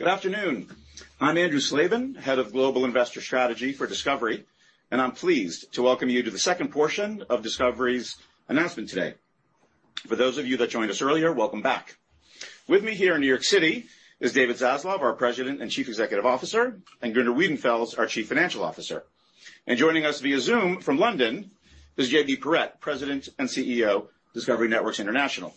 Good afternoon. I'm Andrew Slabin, Head of Global Investor Strategy for Discovery, and I'm pleased to welcome you to the second portion of Discovery's announcement today. For those of you that joined us earlier, welcome back. With me here in New York City is David Zaslav, our President and Chief Executive Officer, and Gunnar Wiedenfels, our Chief Financial Officer. Joining us via Zoom from London is J.B. Perrette, President and CEO, Discovery Networks International.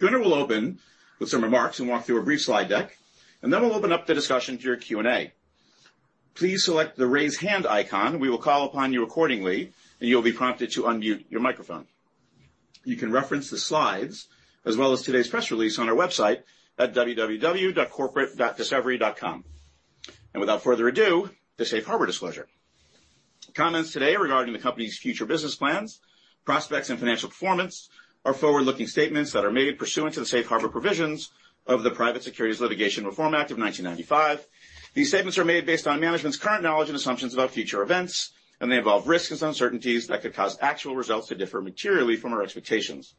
Gunnar will open with some remarks and walk through a brief slide deck. Then we'll open up the discussion to your Q&A. Please select the Raise Hand icon. We will call upon you accordingly, and you'll be prompted to unmute your microphone. You can reference the slides as well as today's press release on our website at www.corporate.discovery.com. Without further ado, the safe harbor disclosure. Comments today regarding the company's future business plans, prospects, and financial performance are forward-looking statements that are made pursuant to the safe harbor provisions of the Private Securities Litigation Reform Act of 1995. These statements are made based on management's current knowledge and assumptions about future events, and they involve risks and uncertainties that could cause actual results to differ materially from our expectations.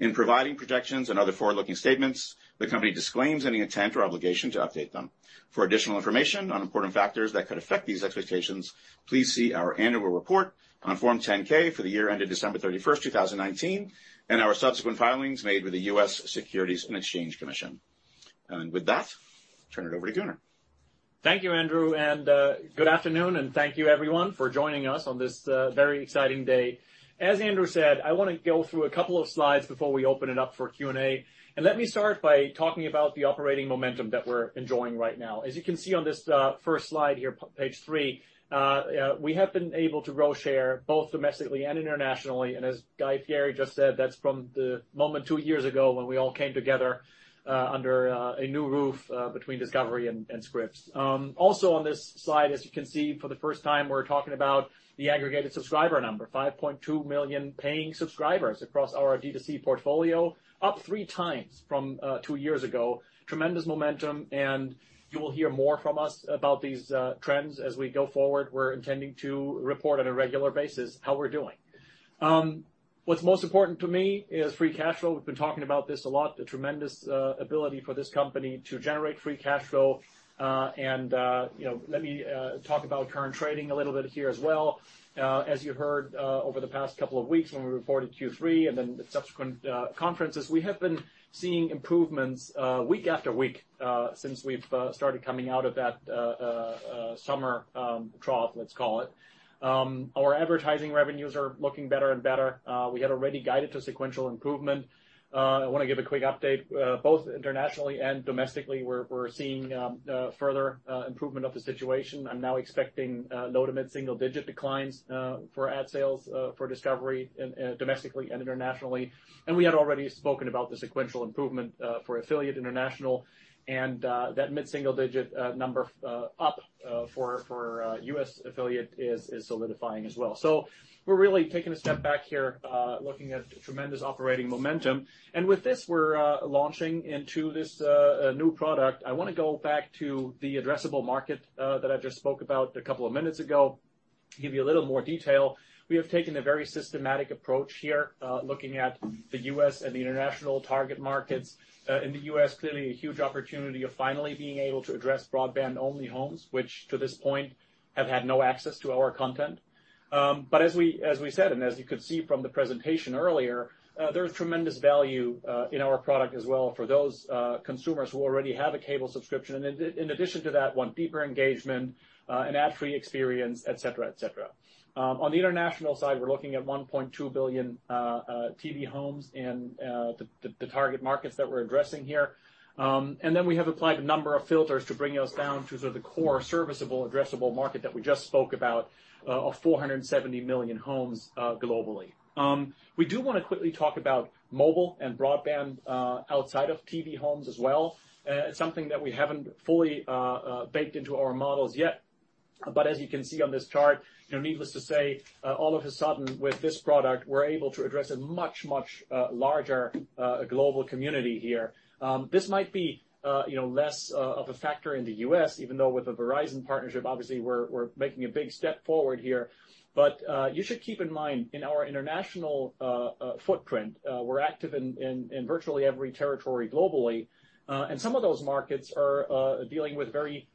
In providing projections and other forward-looking statements, the company disclaims any intent or obligation to update them. For additional information on important factors that could affect these expectations, please see our annual report on Form 10-K for the year ended December 31st, 2019, and our subsequent filings made with the U.S. Securities and Exchange Commission. With that, turn it over to Gunnar. Thank you, Andrew, good afternoon, and thank you everyone for joining us on this very exciting day. As Andrew said, I want to go through a couple of slides before we open it up for Q&A. Let me start by talking about the operating momentum that we're enjoying right now. As you can see on this first slide here, page three, we have been able to grow share both domestically and internationally, as [Guy-Pierre] just said, that's from the moment two years ago when we all came together under a new roof between Discovery and Scripps. Also on this slide, as you can see, for the first time, we're talking about the aggregated subscriber number, 5.2 million paying subscribers across our D2C portfolio, up 3x from two years ago. Tremendous momentum, you will hear more from us about these trends as we go forward. We're intending to report on a regular basis how we're doing. What's most important to me is free cash flow. We've been talking about this a lot, the tremendous ability for this company to generate free cash flow. Let me talk about current trading a little bit here as well. As you heard, over the past couple of weeks when we reported Q3 and then the subsequent conferences, we have been seeing improvements week after week, since we've started coming out of that summer trough, let's call it. Our advertising revenues are looking better and better. We had already guided to sequential improvement. I want to give a quick update. Both internationally and domestically, we're seeing further improvement of the situation and now expecting low to mid-single-digit declines for ad sales for Discovery domestically and internationally. We had already spoken about the sequential improvement for affiliate international and that mid-single-digit number up for U.S. affiliate is solidifying as well. We're really taking a step back here, looking at tremendous operating momentum. With this, we're launching into this new product. I want to go back to the addressable market that I just spoke about a couple of minutes ago, give you a little more detail. We have taken a very systematic approach here, looking at the U.S. and the international target markets. In the U.S., clearly a huge opportunity of finally being able to address broadband-only homes, which to this point have had no access to our content. As we said, and as you could see from the presentation earlier, there is tremendous value in our product as well for those consumers who already have a cable subscription. In addition to that, want deeper engagement, an ad-free experience, et cetera. On the international side, we're looking at 1.2 billion TV homes in the target markets that we're addressing here. We have applied a number of filters to bring us down to the core serviceable addressable market that we just spoke about, of 470 million homes globally. We do want to quickly talk about mobile and broadband outside of TV homes as well. It's something that we haven't fully baked into our models yet. As you can see on this chart, needless to say, all of a sudden with this product, we're able to address a much, much larger global community here. This might be less of a factor in the U.S., even though with the Verizon partnership, obviously we're making a big step forward here. You should keep in mind, in our international footprint, we're active in virtually every territory globally. Some of those markets are dealing with very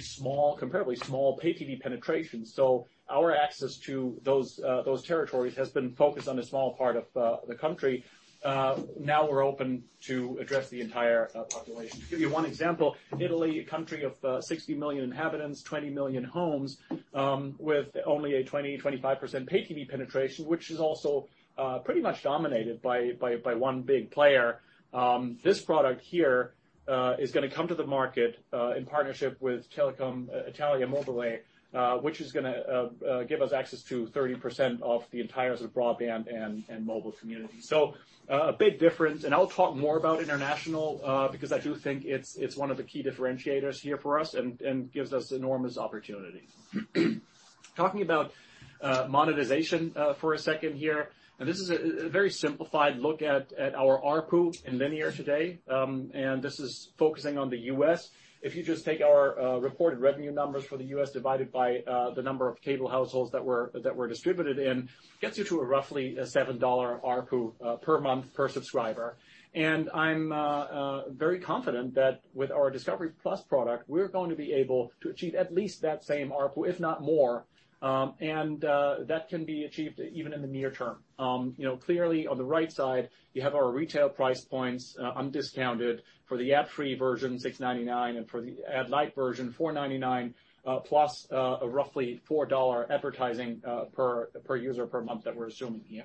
small, comparatively small pay TV penetration. Our access to those territories has been focused on a small part of the country. Now we're open to address the entire population. To give you one example, Italy, a country of 60 million inhabitants, 20 million homes, with only a 20%-25% pay TV penetration, which is also pretty much dominated by one big player. This product here is going to come to the market in partnership with Telecom Italia Mobile, which is going to give us access to 30% of the entire broadband and mobile community. A big difference, and I'll talk more about international, because I do think it's one of the key differentiators here for us and gives us enormous opportunity. Talking about monetization for a second here, this is a very simplified look at our ARPU in linear today. This is focusing on the U.S. If you just take our reported revenue numbers for the U.S. divided by the number of cable households that we're distributed in, gets you to a roughly a $7 ARPU per month per subscriber. I'm very confident that with our discovery+ product, we're going to be able to achieve at least that same ARPU, if not more. That can be achieved even in the near term. Clearly on the right side, you have our retail price points undiscounted for the ad-free version, $6.99, and for the ad-lite version, $4.99, plus a roughly $4 advertising per user per month that we're assuming here.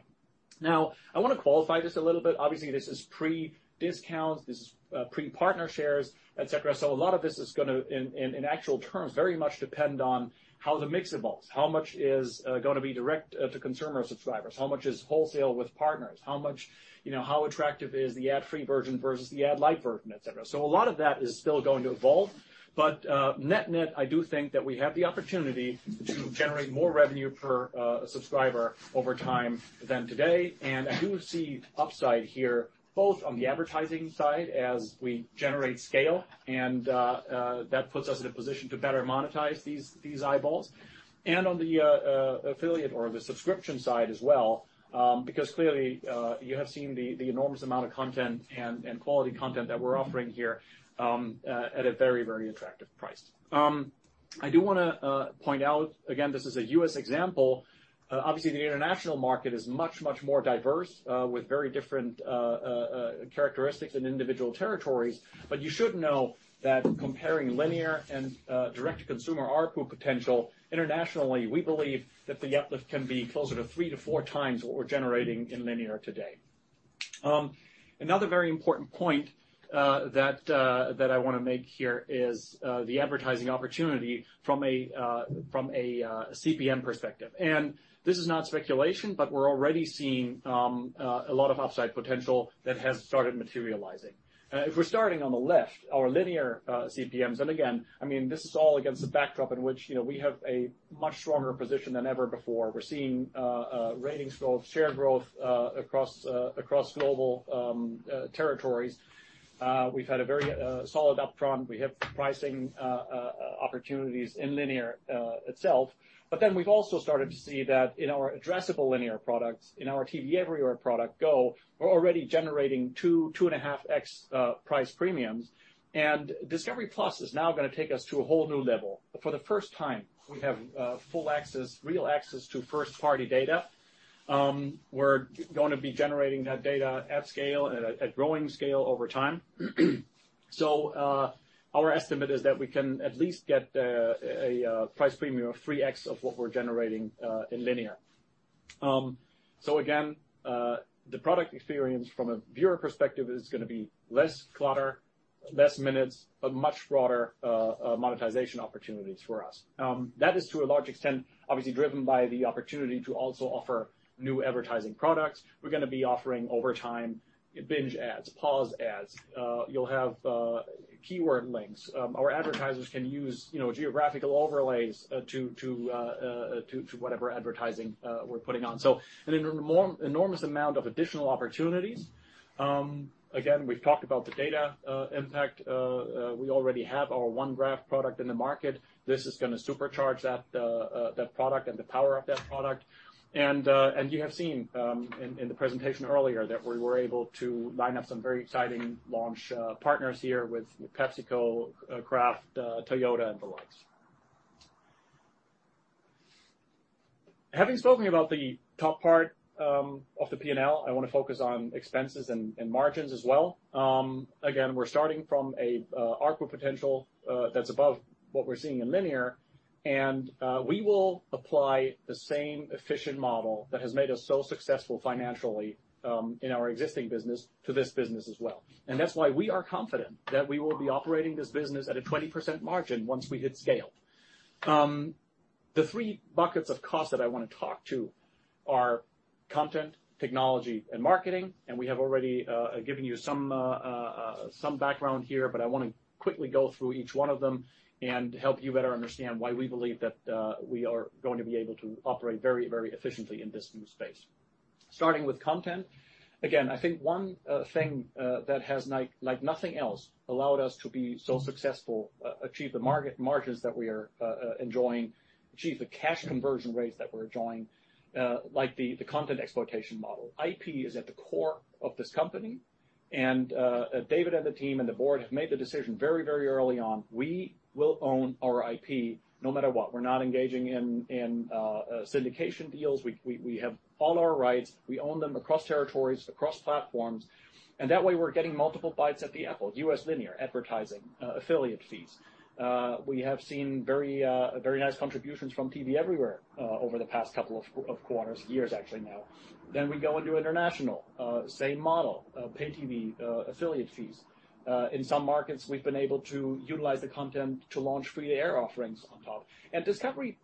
I want to qualify this a little bit. Obviously, this is pre-discount, this is pre-partner shares, et cetera. A lot of this is going to, in actual terms, very much depend on how the mix evolves, how much is going to be direct to consumer or subscribers, how much is wholesale with partners, how attractive is the ad-free version versus the ad-lite version, et cetera. A lot of that is still going to evolve. Net-net, I do think that we have the opportunity to generate more revenue per subscriber over time than today. I do see upside here, both on the advertising side as we generate scale, and that puts us in a position to better monetize these eyeballs, and on the affiliate or the subscription side as well. Clearly, you have seen the enormous amount of content and quality content that we're offering here at a very, very attractive price. I do want to point out, again, this is a U.S. example. Obviously, the international market is much, much more diverse with very different characteristics in individual territories. You should know that comparing linear and direct to consumer ARPU potential internationally, we believe that the uplift can be closer to 3x-4x what we're generating in linear today. Another very important point that I want to make here is the advertising opportunity from a CPM perspective. This is not speculation, but we're already seeing a lot of upside potential that has started materializing. If we're starting on the left, our linear CPMs, and again, this is all against the backdrop in which we have a much stronger position than ever before. We're seeing ratings growth, share growth, across global territories. We've had a very solid upfront. We have pricing opportunities in linear itself. We've also started to see that in our addressable linear products, in our TV Everywhere product, Go, we're already generating 2.5x price premiums. discovery+ is now going to take us to a whole new level. For the first time, we have full access, real access to first-party data. We're going to be generating that data at scale and at growing scale over time. Our estimate is that we can at least get a price premium of 3x of what we're generating in linear. Again, the product experience from a viewer perspective is going to be less clutter, less minutes, but much broader monetization opportunities for us. That is to a large extent, obviously, driven by the opportunity to also offer new advertising products. We're going to be offering over time binge ads, pause ads. You'll have keyword links. Our advertisers can use geographical overlays to whatever advertising we're putting on. An enormous amount of additional opportunities. Again, we've talked about the data impact. We already have our OneGraph product in the market. This is going to supercharge that product and the power of that product. You have seen in the presentation earlier that we were able to line up some very exciting launch partners here with PepsiCo, Kraft, Toyota, and the likes. Having spoken about the top part of the P&L, I want to focus on expenses and margins as well. Again, we're starting from an ARPU potential that's above what we're seeing in linear, and we will apply the same efficient model that has made us so successful financially in our existing business to this business as well. That's why we are confident that we will be operating this business at a 20% margin once we hit scale. The three buckets of cost that I want to talk to are content, technology, and marketing. We have already given you some background here, I want to quickly go through each one of them and help you better understand why we believe that we are going to be able to operate very, very efficiently in this new space. Starting with content, again, I think one thing that has like nothing else allowed us to be so successful, achieve the margins that we are enjoying, achieve the cash conversion rates that we're enjoying, like the content exploitation model. IP is at the core of this company. David and the team and the board have made the decision very, very early on. We will own our IP no matter what. We're not engaging in syndication deals. We have all our rights. We own them across territories, across platforms. That way, we're getting multiple bites at the apple, U.S. linear, advertising, affiliate fees. We have seen very nice contributions from TV Everywhere over the past couple of quarters, years actually now. We go into international, same model, pay TV, affiliate fees. In some markets, we've been able to utilize the content to launch [free-to-air] offerings on top. discovery+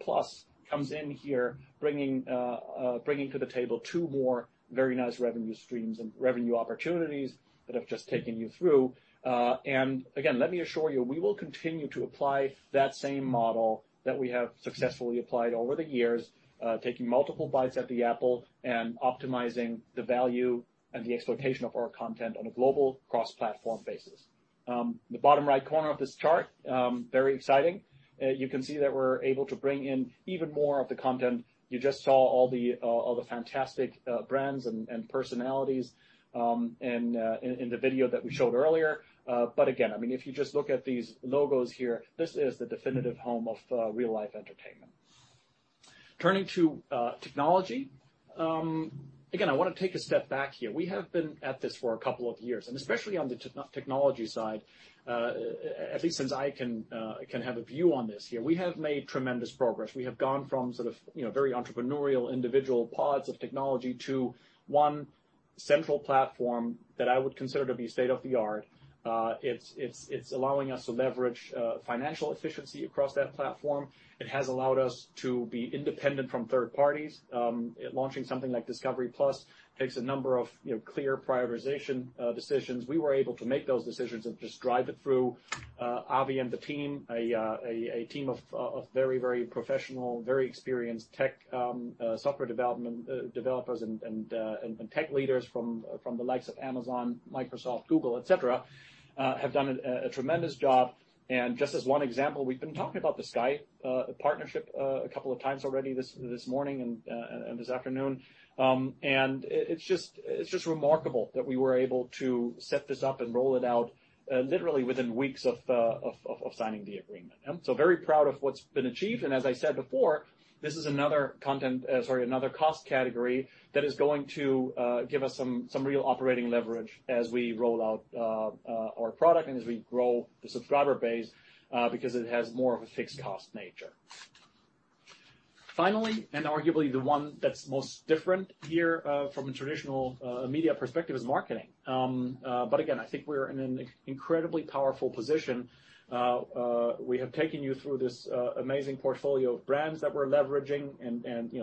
comes in here bringing to the table two more very nice revenue streams and revenue opportunities that I've just taken you through. Again, let me assure you, we will continue to apply that same model that we have successfully applied over the years, taking multiple bites at the apple and optimizing the value and the exploitation of our content on a global cross-platform basis. The bottom right corner of this chart, very exciting. You can see that we're able to bring in even more of the content. You just saw all the fantastic brands and personalities in the video that we showed earlier. Again, if you just look at these logos here, this is the definitive home of real-life entertainment. Turning to technology. I want to take a step back here. We have been at this for a couple of years, and especially on the technology side, at least since I can have a view on this here. We have made tremendous progress. We have gone from sort of very entrepreneurial individual pods of technology to one central platform that I would consider to be state-of-the-art. It is allowing us to leverage financial efficiency across that platform. It has allowed us to be independent from third parties. Launching something like discovery+ takes a number of clear prioritization decisions. We were able to make those decisions and just drive it through Avi and the team, a team of very professional, very experienced tech software developers, and tech leaders from the likes of Amazon, Microsoft, Google, et cetera, have done a tremendous job. Just as one example, we have been talking about the Sky partnership a couple of times already this morning and this afternoon. It is just remarkable that we were able to set this up and roll it out literally within weeks of signing the agreement. Very proud of what has been achieved. As I said before, this is another cost category that is going to give us some real operating leverage as we roll out our product and as we grow the subscriber base because it has more of a fixed cost nature. Finally, and arguably the one that's most different here, from a traditional media perspective, is marketing. Again, I think we're in an incredibly powerful position. We have taken you through this amazing portfolio of brands that we're leveraging.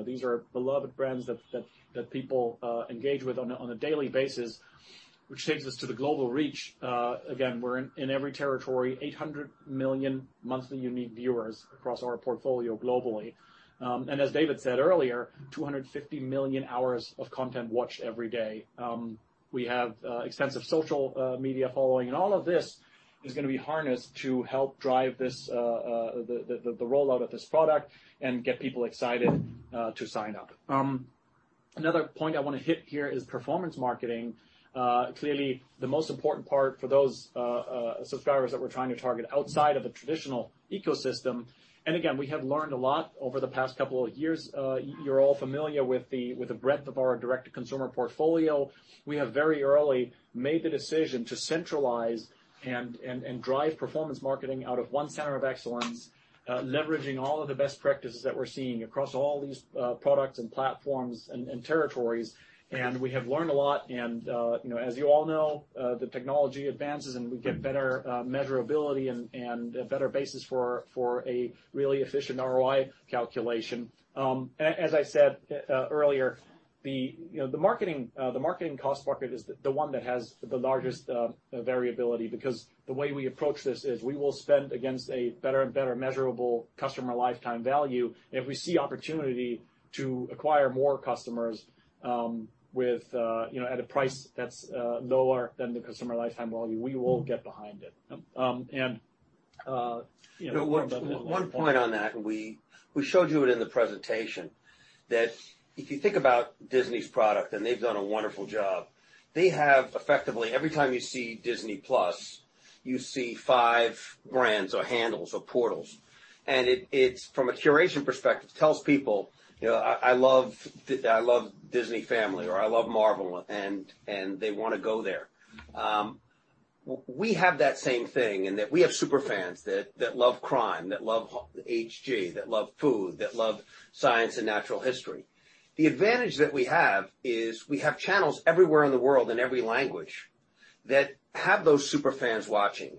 These are beloved brands that people engage with on a daily basis, which takes us to the global reach. Again, we're in every territory, 800 million monthly unique viewers across our portfolio globally. As David said earlier, 250 million hours of content watched every day. We have extensive social media following, all of this is going to be harnessed to help drive the rollout of this product and get people excited to sign up. Another point I want to hit here is performance marketing. Clearly, the most important part for those subscribers that we're trying to target outside of a traditional ecosystem. Again, we have learned a lot over the past couple of years. You're all familiar with the breadth of our direct-to-consumer portfolio. We have very early made the decision to centralize and drive performance marketing out of one center of excellence, leveraging all of the best practices that we're seeing across all these products and platforms and territories. We have learned a lot and, as you all know, the technology advances, and we get better measurability and a better basis for a really efficient ROI calculation. As I said earlier, the marketing cost bucket is the one that has the largest variability because the way we approach this is we will spend against a better and better measurable customer lifetime value. If we see opportunity to acquire more customers at a price that's lower than the customer lifetime value, we will get behind it. One point on that, we showed you it in the presentation, that if you think about Disney's product, and they've done a wonderful job. They have effectively, every time you see Disney+, you see five brands or handles or portals. It, from a curation perspective, tells people, "I love Disney Family," or, "I love Marvel," and they want to go there. We have that same thing and that we have super fans that love crime, that love HG, that love food, that love science and natural history. The advantage that we have is we have channels everywhere in the world in every language that have those super fans watching.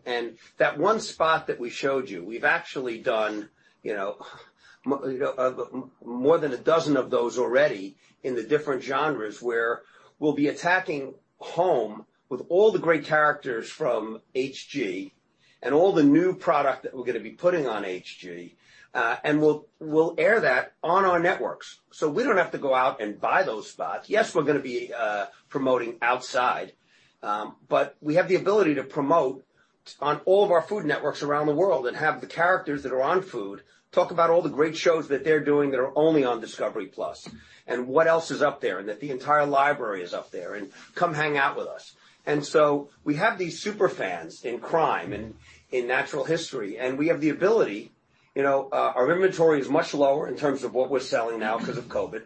That one spot that we showed you, we've actually done more than a dozen of those already in the different genres where we'll be attacking home with all the great characters from HG and all the new product that we're going to be putting on HG. We'll air that on our networks. We don't have to go out and buy those spots. Yes, we're going to be promoting outside, but we have the ability to promote on all of our food networks around the world and have the characters that are on food, talk about all the great shows that they're doing that are only on discovery+ and what else is up there, and that the entire library is up there and come hang out with us. We have these super fans in crime and in natural history, and we have the ability. Our inventory is much lower in terms of what we're selling now because of COVID.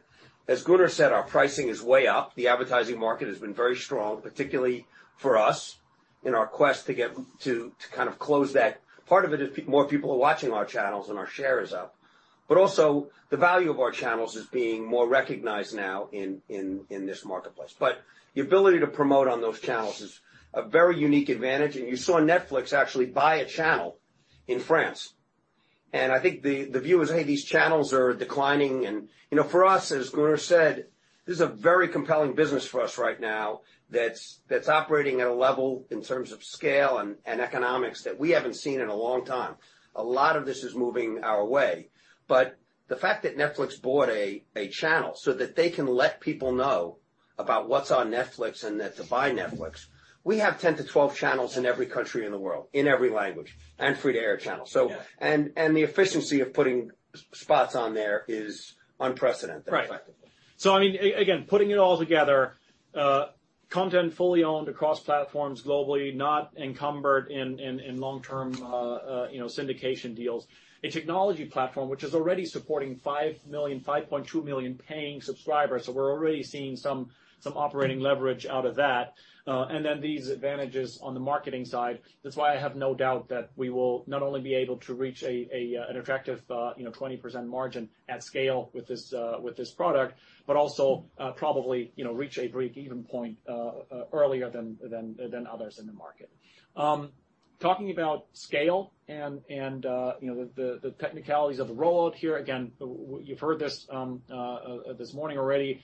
As Gunnar said, our pricing is way up. The advertising market has been very strong, particularly for us in our quest to kind of close that. Part of it is more people are watching our channels and our share is up. Also, the value of our channels is being more recognized now in this marketplace. The ability to promote on those channels is a very unique advantage, and you saw Netflix actually buy a channel in France. I think the view is, hey, these channels are declining. For us, as Gunnar said, this is a very compelling business for us right now that's operating at a level in terms of scale and economics that we haven't seen in a long time. A lot of this is moving our way. The fact that Netflix bought a channel so that they can let people know about what's on Netflix and that to buy Netflix, we have 10-12 channels in every country in the world, in every language, and free-to-air channels. Yeah. The efficiency of putting spots on there is unprecedented. Right. Effectively. Again, putting it all together, content fully owned across platforms globally, not encumbered in long-term syndication deals. A technology platform which is already supporting 5.2 million paying subscribers. We're already seeing some operating leverage out of that. These advantages on the marketing side. That's why I have no doubt that we will not only be able to reach an attractive 20% margin at scale with this product, but also probably reach a break-even point earlier than others in the market. Talking about scale and the technicalities of the rollout here, again, you've heard this this morning already,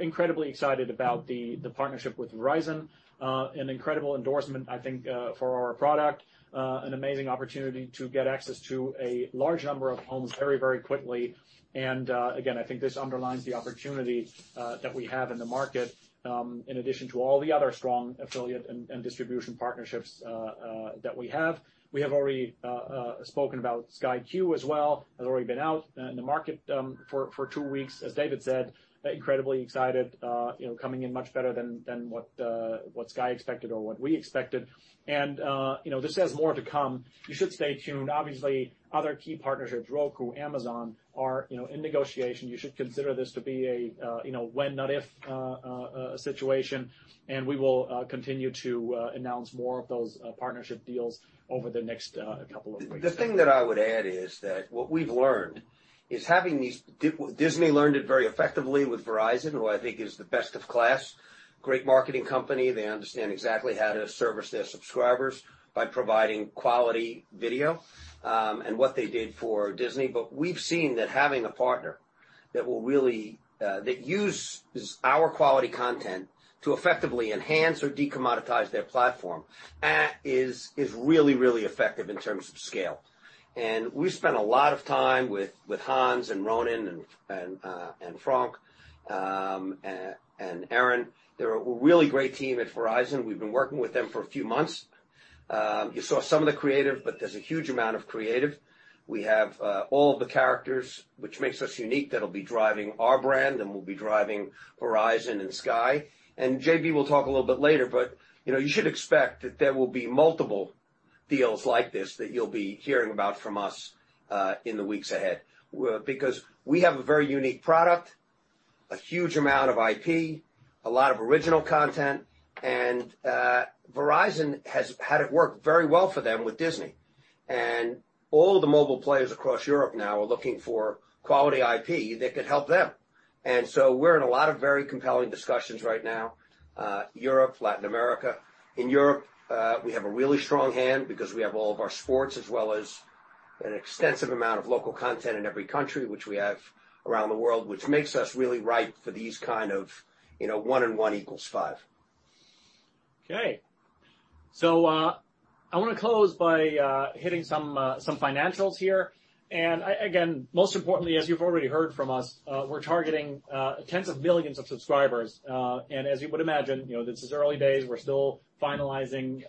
incredibly excited about the partnership with Verizon. An incredible endorsement, I think, for our product. An amazing opportunity to get access to a large number of homes very quickly. I think this underlines the opportunity that we have in the market, in addition to all the other strong affiliate and distribution partnerships that we have. We have already spoken about Sky Q as well. It has already been out in the market for two weeks. As David said, incredibly excited, coming in much better than what Sky expected or what we expected. This has more to come. You should stay tuned, obviously, other key partnerships, Roku, Amazon, are in negotiation. You should consider this to be a when, not if situation, we will continue to announce more of those partnership deals over the next couple of weeks. The thing that I would add is that what we've learned is having, Disney learned it very effectively with Verizon, who I think is the best of class. Great marketing company. They understand exactly how to service their subscribers by providing quality video and what they did for Disney. We've seen that having a partner that uses our quality content to effectively enhance or de-commoditize their platform is really effective in terms of scale. We've spent a lot of time with Hans and Ronan and Frank and Erin. They're a really great team at Verizon. We've been working with them for a few months. You saw some of the creative, there's a huge amount of creative. We have all the characters, which makes us unique, that'll be driving our brand and will be driving Verizon and Sky. J.B. will talk a little bit later, but you should expect that there will be multiple deals like this that you'll be hearing about from us in the weeks ahead. We have a very unique product, a huge amount of IP, a lot of original content, and Verizon has had it work very well for them with Disney. All the mobile players across Europe now are looking for quality IP that could help them. We're in a lot of very compelling discussions right now. Europe, Latin America. In Europe, we have a really strong hand because we have all of our sports as well as an extensive amount of local content in every country which we have around the world, which makes us really ripe for these kind of one and one equals five. Okay. I want to close by hitting some financials here. Again, most importantly, as you've already heard from us, we're targeting tens of billions of subscribers. As you would imagine, this is early days, we're still finalizing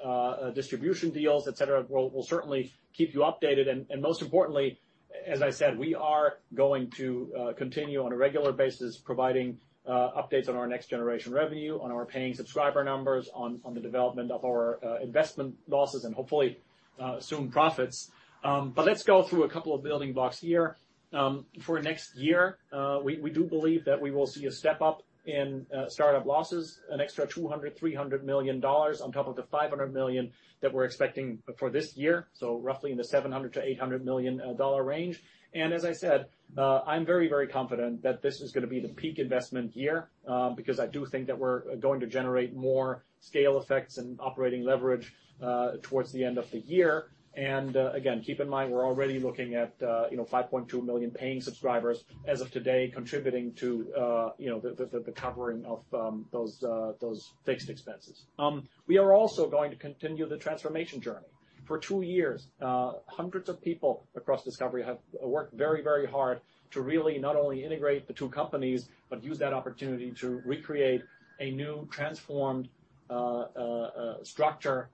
distribution deals, et cetera. We'll certainly keep you updated, and most importantly, as I said, we are going to continue on a regular basis providing updates on our next generation revenue, on our paying subscriber numbers, on the development of our investment losses, and hopefully soon profits. Let's go through a couple of building blocks here. For next year, we do believe that we will see a step-up in startup losses, an extra $200 million, $300 million on top of the $500 million that we're expecting for this year. Roughly in the $700 million-$800 million range. As I said, I'm very confident that this is going to be the peak investment year, because I do think that we're going to generate more scale effects and operating leverage towards the end of the year. Again, keep in mind, we're already looking at 5.2 million paying subscribers as of today, contributing to the covering of those fixed expenses. We are also going to continue the transformation journey. For two years, hundreds of people across Discovery have worked very hard to really not only integrate the two companies but use that opportunity to recreate a new transformed structure,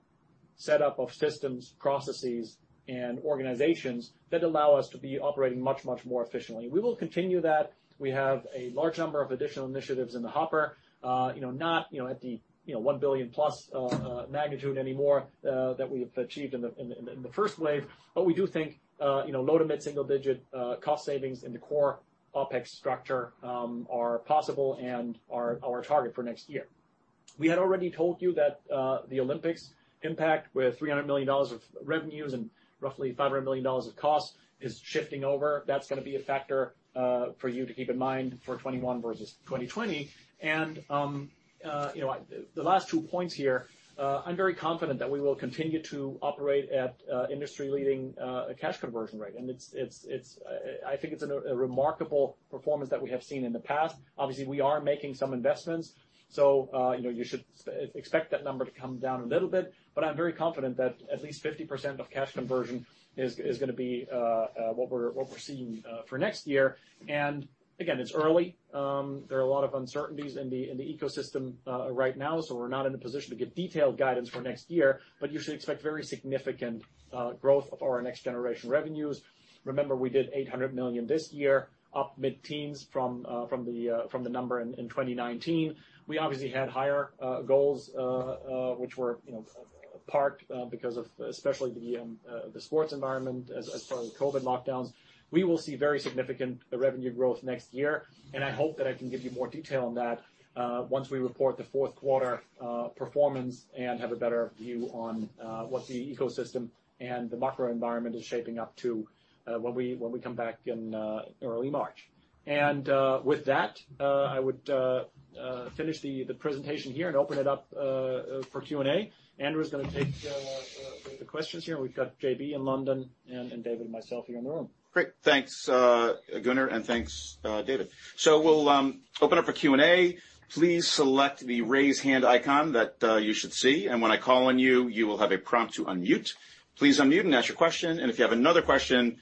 setup of systems, processes, and organizations that allow us to be operating much more efficiently. We will continue that. We have a large number of additional initiatives in the hopper. Not at the $1 billion+ magnitude anymore that we've achieved in the first wave, but we do think low to mid-single-digit cost savings in the core OpEx structure are possible and are our target for next year. We had already told you that the Olympics impact with $300 million of revenues and roughly $500 million of costs is shifting over. That's going to be a factor for you to keep in mind for 2021 versus 2020. The last two points here, I'm very confident that we will continue to operate at industry-leading cash conversion rate. I think it's a remarkable performance that we have seen in the past. Obviously, we are making some investments. You should expect that number to come down a little bit. I'm very confident that at least 50% of cash conversion is going to be what we're seeing for next year. Again, it's early. There are a lot of uncertainties in the ecosystem right now. We're not in a position to give detailed guidance for next year. You should expect very significant growth of our next generation revenues. Remember, we did $800 million this year, up mid-teens from the number in 2019. We obviously had higher goals, which were parked because of especially the sports environment as far as COVID lockdowns. We will see very significant revenue growth next year, and I hope that I can give you more detail on that once we report the fourth quarter performance and have a better view on what the ecosystem and the macro environment is shaping up to when we come back in early March. With that, I would finish the presentation here and open it up for Q&A. Andrew is going to take the questions here, and we've got J.B. in London and David and myself here in the room. Great. Thanks, Gunnar, and thanks, David. We'll open up for Q&A. Please select the Raise Hand icon that you should see, and when I call on you will have a prompt to unmute. Please unmute and ask your question, and if you have another question,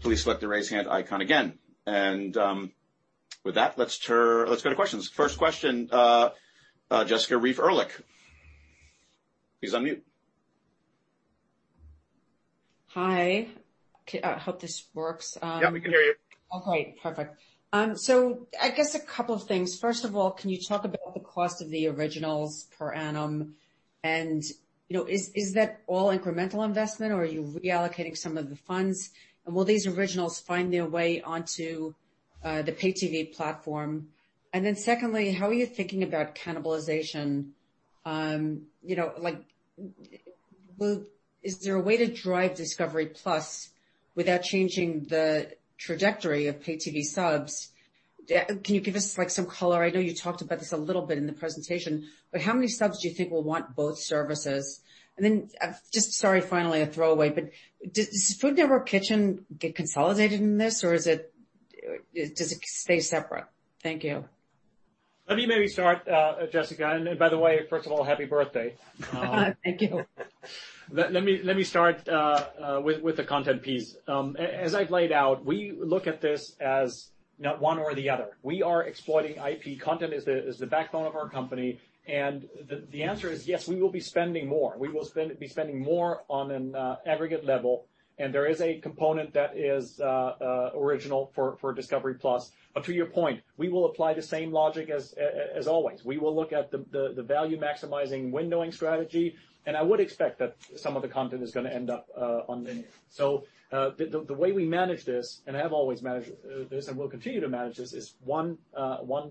please select the raise hand icon again. With that, let's go to questions. First question, Jessica Reif Ehrlich. Please unmute. Hi. I hope this works. Yeah, we can hear you. All right, perfect. I guess a couple of things. First of all, can you talk about the cost of the originals per annum, and is that all incremental investment, or are you reallocating some of the funds? Will these originals find their way onto the pay TV platform? Secondly, how are you thinking about cannibalization? Is there a way to drive discovery+ without changing the trajectory of pay TV subs? Can you give us some color? I know you talked about this a little bit in the presentation, but how many subs do you think will want both services? Just, sorry, finally, a throwaway, but does Food Network Kitchen get consolidated in this, or does it stay separate? Thank you. Let me maybe start, Jessica. By the way, first of all, happy birthday. Thank you. Let me start with the content piece. As I've laid out, we look at this as not one or the other. We are exploiting IP. Content is the backbone of our company, and the answer is yes, we will be spending more. We will be spending more on an aggregate level, and there is a component that is original for discovery+. To your point, we will apply the same logic as always. We will look at the value-maximizing windowing strategy, and I would expect that some of the content is going to end up on linear. The way we manage this, and have always managed this, and will continue to manage this, is one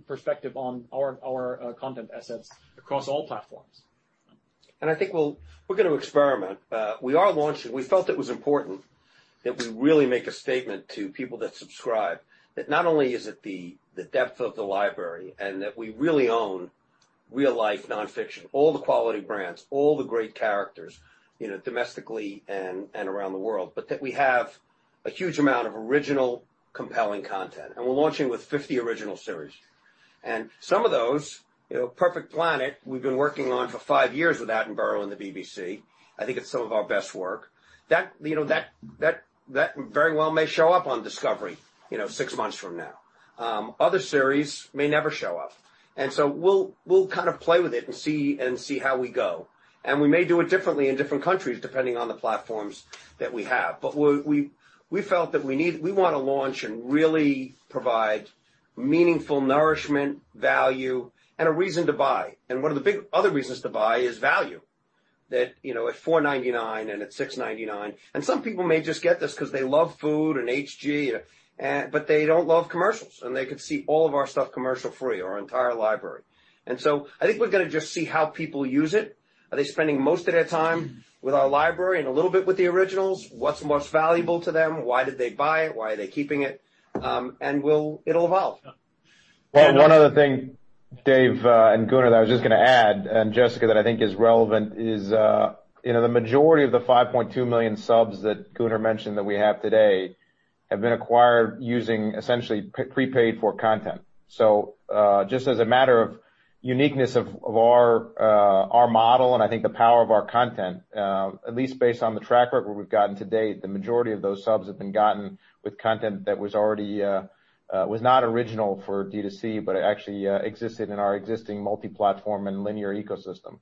perspective on our content assets across all platforms. I think we're going to experiment. We are launching. We felt it was important that we really make a statement to people that subscribe, that not only is it the depth of the library and that we really own real-life non-fiction, all the quality brands, all the great characters domestically and around the world, but that we have a huge amount of original, compelling content. We're launching with 50 original series. Some of those, "A Perfect Planet," we've been working on for five years with Attenborough and the BBC. I think it's some of our best work. That very well may show up on Discovery six months from now. Other series may never show up. So we'll kind of play with it and see how we go. We may do it differently in different countries, depending on the platforms that we have. We felt that we want to launch and really provide meaningful nourishment, value, and a reason to buy. One of the big other reasons to buy is value. That at $4.99 and at $6.99. Some people may just get this because they love food and HG, but they don't love commercials, and they could see all of our stuff commercial-free, our entire library. I think we're going to just see how people use it. Are they spending most of their time with our library and a little bit with the originals? What's most valuable to them? Why did they buy it? Why are they keeping it? It'll evolve. Yeah. And- One other thing, Dave and Gunnar, that I was just going to add, and Jessica, that I think is relevant is the majority of the 5.2 million subs that Gunnar mentioned that we have today have been acquired using essentially prepaid for content. Just as a matter of uniqueness of our model and I think the power of our content, at least based on the track record we've gotten to date, the majority of those subs have been gotten with content that was not original for D2C, but actually existed in our existing multi-platform and linear ecosystem.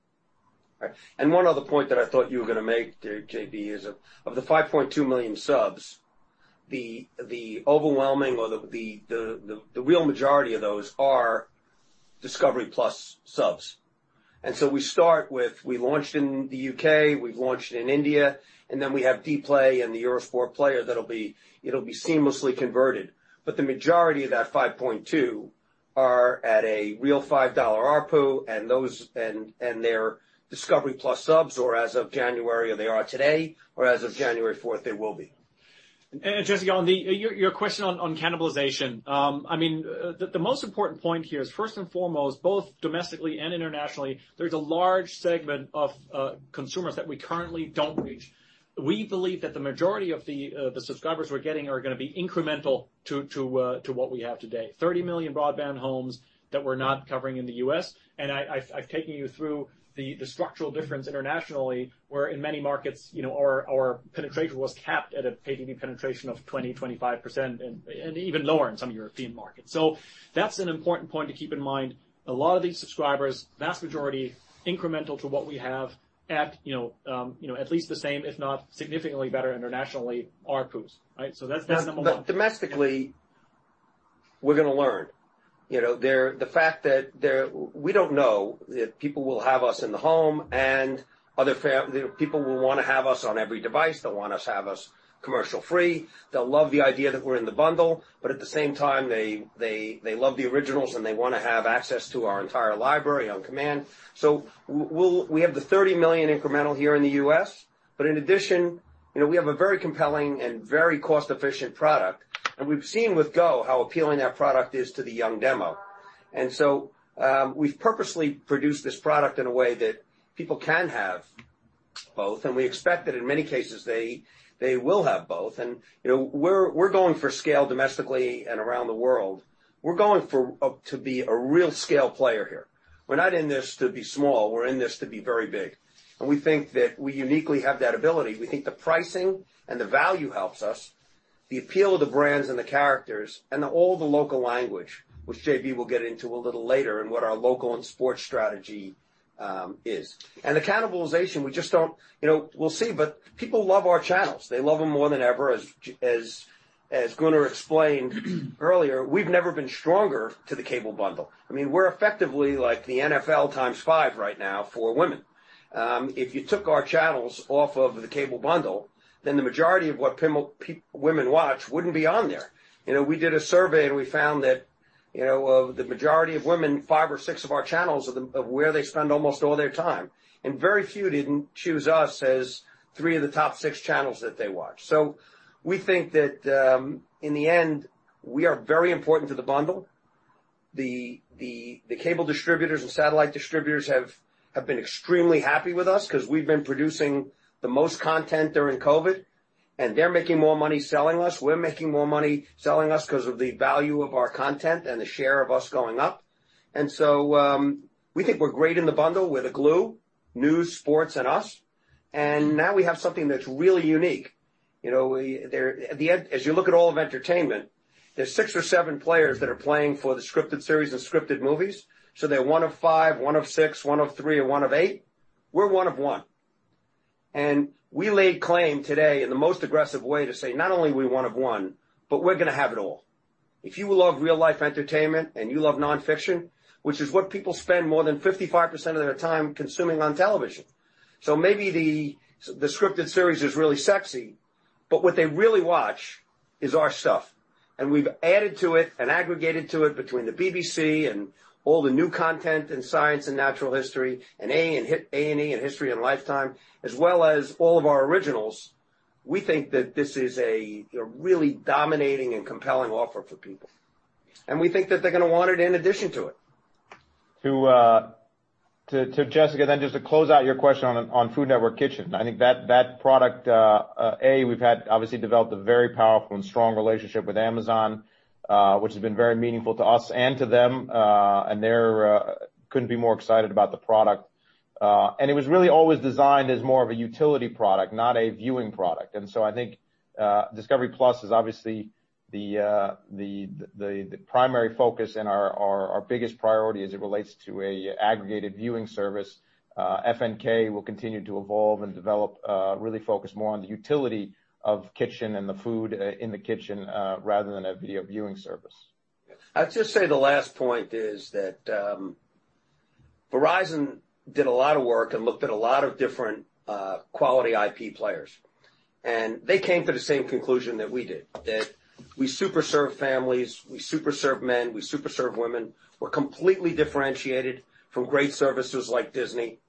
Right. One other point that I thought you were going to make, J.B., is of the 5.2 million subs, the overwhelming or the real majority of those are discovery+ subs. We start with, we launched in the U.K., we've launched in India, then we have dplay and the Eurosport Player that'll be seamlessly converted. The majority of that 5.2 are at a real $5 ARPU, and they're discovery+ subs, or as of January they are today, or as of January 4th, they will be. Jessica, on your question on cannibalization. The most important point here is, first and foremost, both domestically and internationally, there's a large segment of consumers that we currently don't reach. We believe that the majority of the subscribers we're getting are going to be incremental to what we have today. 30 million broadband homes that we're not covering in the U.S., and I've taken you through the structural difference internationally, where in many markets our penetration was capped at a pay TV penetration of 20%-25%, and even lower in some European markets. That's an important point to keep in mind. A lot of these subscribers, vast majority, incremental to what we have at least the same, if not significantly better internationally, ARPUs. Right? That's number one. Domestically, we're going to learn. We don't know if people will have us in the home and other people will want to have us on every device. They'll want to have us commercial-free. They'll love the idea that we're in the bundle. At the same time, they love the originals, and they want to have access to our entire library on command. We have the $30 million incremental here in the U.S., but in addition, we have a very compelling and very cost-efficient product, and we've seen with Go how appealing that product is to the young demo. We've purposely produced this product in a way that people can have both, and we expect that in many cases, they will have both. We're going for scale domestically and around the world. We're going to be a real scale player here. We're not in this to be small. We're in this to be very big. We think that we uniquely have that ability. We think the pricing and the value helps us, the appeal of the brands and the characters, and all the local language, which J.B. will get into a little later in what our local and sports strategy is. The cannibalization, we'll see, but people love our channels. They love them more than ever. As Gunnar explained earlier, we've never been stronger to the cable bundle. We're effectively like the NFL times five right now for women. If you took our channels off of the cable bundle, then the majority of what women watch wouldn't be on there. We did a survey, and we found that the majority of women, five or six of our channels are where they spend almost all their time. Very few didn't choose us as three of the top six channels that they watch. We think that in the end, we are very important to the bundle. The cable distributors and satellite distributors have been extremely happy with us because we've been producing the most content during COVID, and they're making more money selling us. We're making more money selling us because of the value of our content and the share of us going up. We think we're great in the bundle. We're the glue, news, sports, and us. Now we have something that's really unique. As you look at all of entertainment, there's six or seven players that are playing for the scripted series and scripted movies. They're one of five, one of six, one of three, or one of eight. We're one of one. We laid claim today in the most aggressive way to say, not only are we one of one, but we're going to have it all. If you love real-life entertainment and you love nonfiction, which is what people spend more than 55% of their time consuming on television. Maybe the scripted series is really sexy, but what they really watch is our stuff. We've added to it and aggregated to it between the BBC and all the new content in science and natural history, and A&E, and History, and Lifetime, as well as all of our originals. We think that this is a really dominating and compelling offer for people. We think that they're going to want it in addition to it. Jessica, just to close out your question on Food Network Kitchen. I think that product, A, we've had obviously developed a very powerful and strong relationship with Amazon, which has been very meaningful to us and to them. They couldn't be more excited about the product. It was really always designed as more of a utility product, not a viewing product. I think discovery+ is obviously the primary focus and our biggest priority as it relates to an aggregated viewing service. FNK will continue to evolve and develop, really focus more on the utility of Kitchen and the food in the Kitchen rather than a video viewing service. I'd just say the last point is that Verizon did a lot of work and looked at a lot of different quality IP players. They came to the same conclusion that we did, that we super serve families, we super serve men, we super serve women. We're completely differentiated from great services like Disney,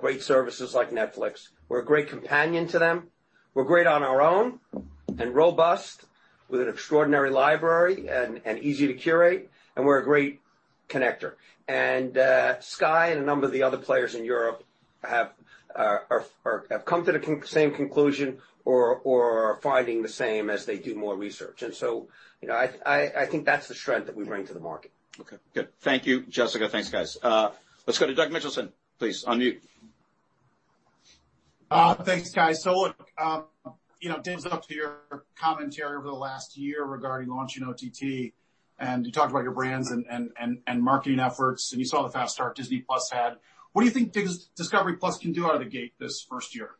great services like Netflix. We're a great companion to them. We're great on our own and robust with an extraordinary library and easy to curate, and we're a great connector. Sky and a number of the other players in Europe have come to the same conclusion or are finding the same as they do more research. I think that's the strength that we bring to the market. Okay, good. Thank you, Jessica. Thanks, guys. Let's go to Doug Mitchelson. Please unmute. Thanks, guys. Look, Dave, up to your commentary over the last year regarding launching OTT, and you talked about your brands and marketing efforts, and you saw the fast start Disney+ had. What do you think discovery+ can do out of the gate this first year?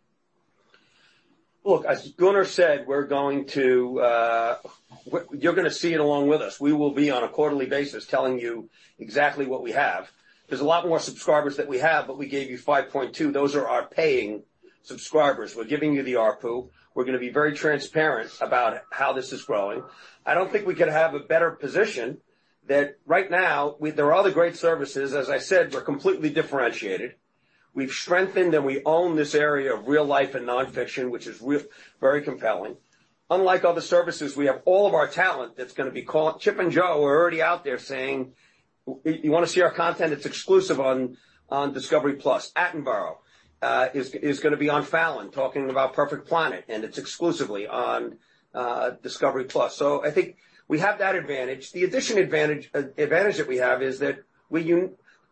Look, as Gunnar said, you're going to see it along with us. We will be on a quarterly basis telling you exactly what we have. There's a lot more subscribers that we have, but we gave you 5.2. Those are our paying subscribers. We're giving you the ARPU. We're going to be very transparent about how this is growing. I don't think we could have a better position than right now. There are other great services, as I said, we're completely differentiated. We've strengthened and we own this area of real life and nonfiction, which is very compelling. Unlike other services, we have all of our talent that's going to be caught. Chip and Jo are already out there saying, "You want to see our content? It's exclusive on discovery+. Attenborough is going to be on Fallon talking about A Perfect Planet, it's exclusively on discovery+. I think we have that advantage. The addition advantage that we have is that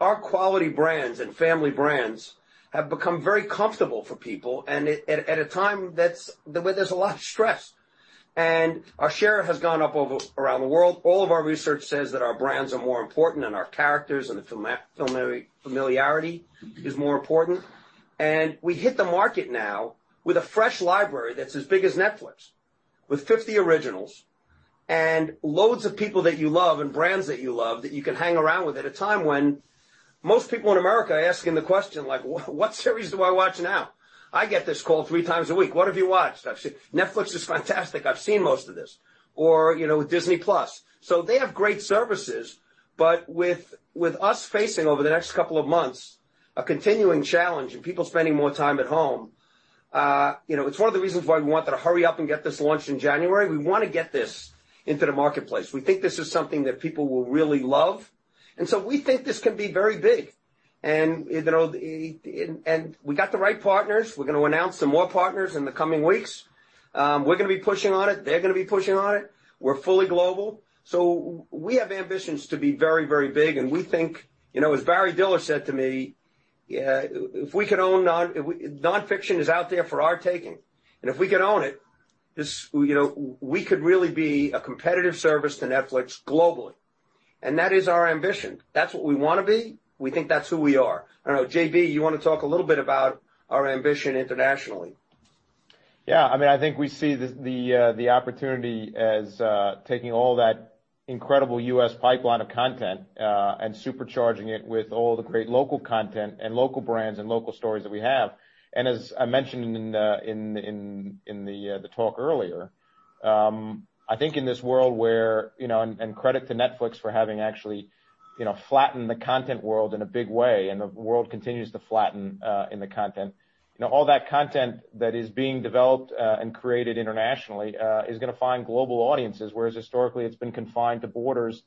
our quality brands and family brands have become very comfortable for people and at a time where there's a lot of stress. Our share has gone up around the world. All of our research says that our brands are more important and our characters and the familiarity is more important. We hit the market now with a fresh library that's as big as Netflix, with 50 originals and loads of people that you love and brands that you love that you can hang around with at a time when most people in the U.S. are asking the question, like, "What series do I watch now?" I get this call three times a week. What have you watched?" I've said, "Netflix is fantastic. I've seen most of this." Disney+. They have great services. With us facing, over the next couple of months, a continuing challenge of people spending more time at home, it's one of the reasons why we wanted to hurry up and get this launched in January. We want to get this into the marketplace. We think this is something that people will really love. We think this can be very big. We got the right partners. We're going to announce some more partners in the coming weeks. We're going to be pushing on it. They're going to be pushing on it. We're fully global. We have ambitions to be very, very big, and as Barry Diller said to me, nonfiction is out there for our taking. If we can own it, we could really be a competitive service to Netflix globally, and that is our ambition. That's what we want to be. We think that's who we are. I don't know, J.B., you want to talk a little bit about our ambition internationally? Yeah. I think we see the opportunity as taking all that incredible U.S. pipeline of content and supercharging it with all the great local content and local brands and local stories that we have. As I mentioned in the talk earlier, I think in this world where, credit to Netflix for having actually flattened the content world in a big way, the world continues to flatten in the content. All that content that is being developed and created internationally is going to find global audiences, whereas historically it's been confined to borders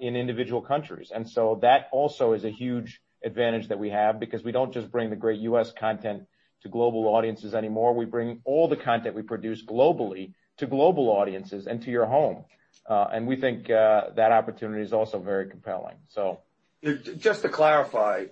in individual countries. So that also is a huge advantage that we have because we don't just bring the great U.S. content to global audiences anymore. We bring all the content we produce globally to global audiences and to your home. We think that opportunity is also very compelling. Just to clarify,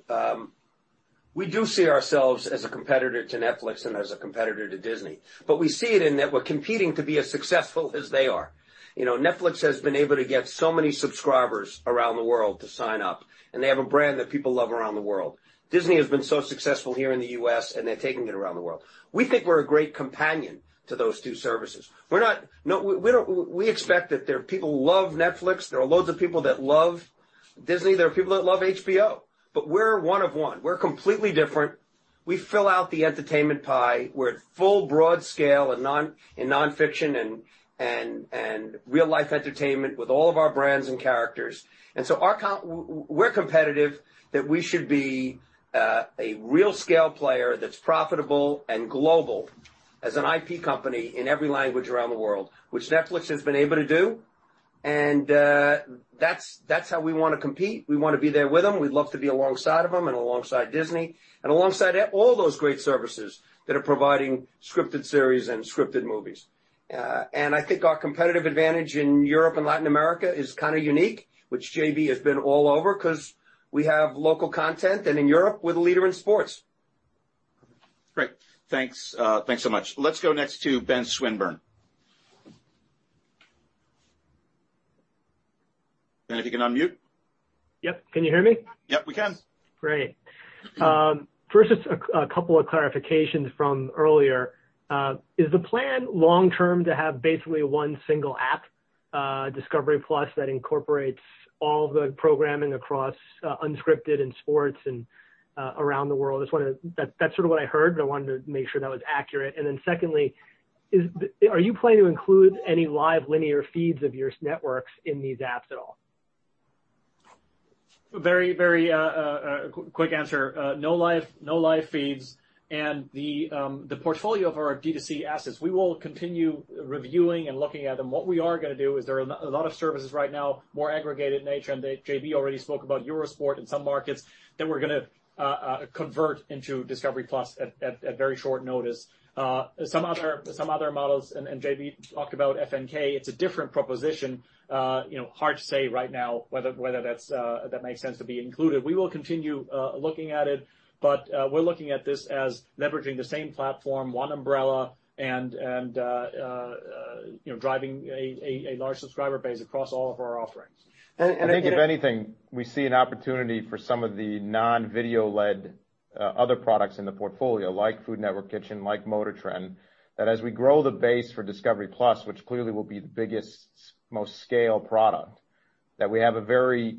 we do see ourselves as a competitor to Netflix and as a competitor to Disney. We see it in that we're competing to be as successful as they are. Netflix has been able to get so many subscribers around the world to sign up. They have a brand that people love around the world. Disney has been so successful here in the U.S. They're taking it around the world. We think we're a great companion to those two services. We expect that there are people who love Netflix. There are loads of people that love Disney. There are people that love HBO. We're one of one. We're completely different. We fill out the entertainment pie. We're at full broad scale in nonfiction and real-life entertainment with all of our brands and characters. We're competitive that we should be a real scale player that's profitable and global as an IP company in every language around the world, which Netflix has been able to do. That's how we want to compete. We want to be there with them. We'd love to be alongside of them and alongside Disney and alongside all those great services that are providing scripted series and scripted movies. I think our competitive advantage in Europe and Latin America is kind of unique, which J.B. has been all over because we have local content, and in Europe, we're the leader in sports. Great. Thanks so much. Let's go next to Ben Swinburne. Ben, if you can unmute. Yep. Can you hear me? Yep, we can. Great. First, just a couple of clarifications from earlier. Is the plan long term to have basically one single app, discovery+, that incorporates all the programming across unscripted and sports and around the world? That's sort of what I heard, but I wanted to make sure that was accurate. Secondly, are you planning to include any live linear feeds of your networks in these apps at all? Very quick answer. No live feeds. The portfolio of our D2C assets, we will continue reviewing and looking at them. What we are going to do is there are a lot of services right now, more aggregated in nature, and J.B. already spoke about Eurosport in some markets that we're going to convert into discovery+ at very short notice. Some other models, and J.B. talked about FNK, it's a different proposition. Hard to say right now whether that makes sense to be included. We will continue looking at it, but we're looking at this as leveraging the same platform, one umbrella, and driving a large subscriber base across all of our offerings. I think if anything, we see an opportunity for some of the non-video-led other products in the portfolio, like Food Network Kitchen, like MotorTrend, that as we grow the base for discovery+, which clearly will be the biggest, most scale product, that we have a very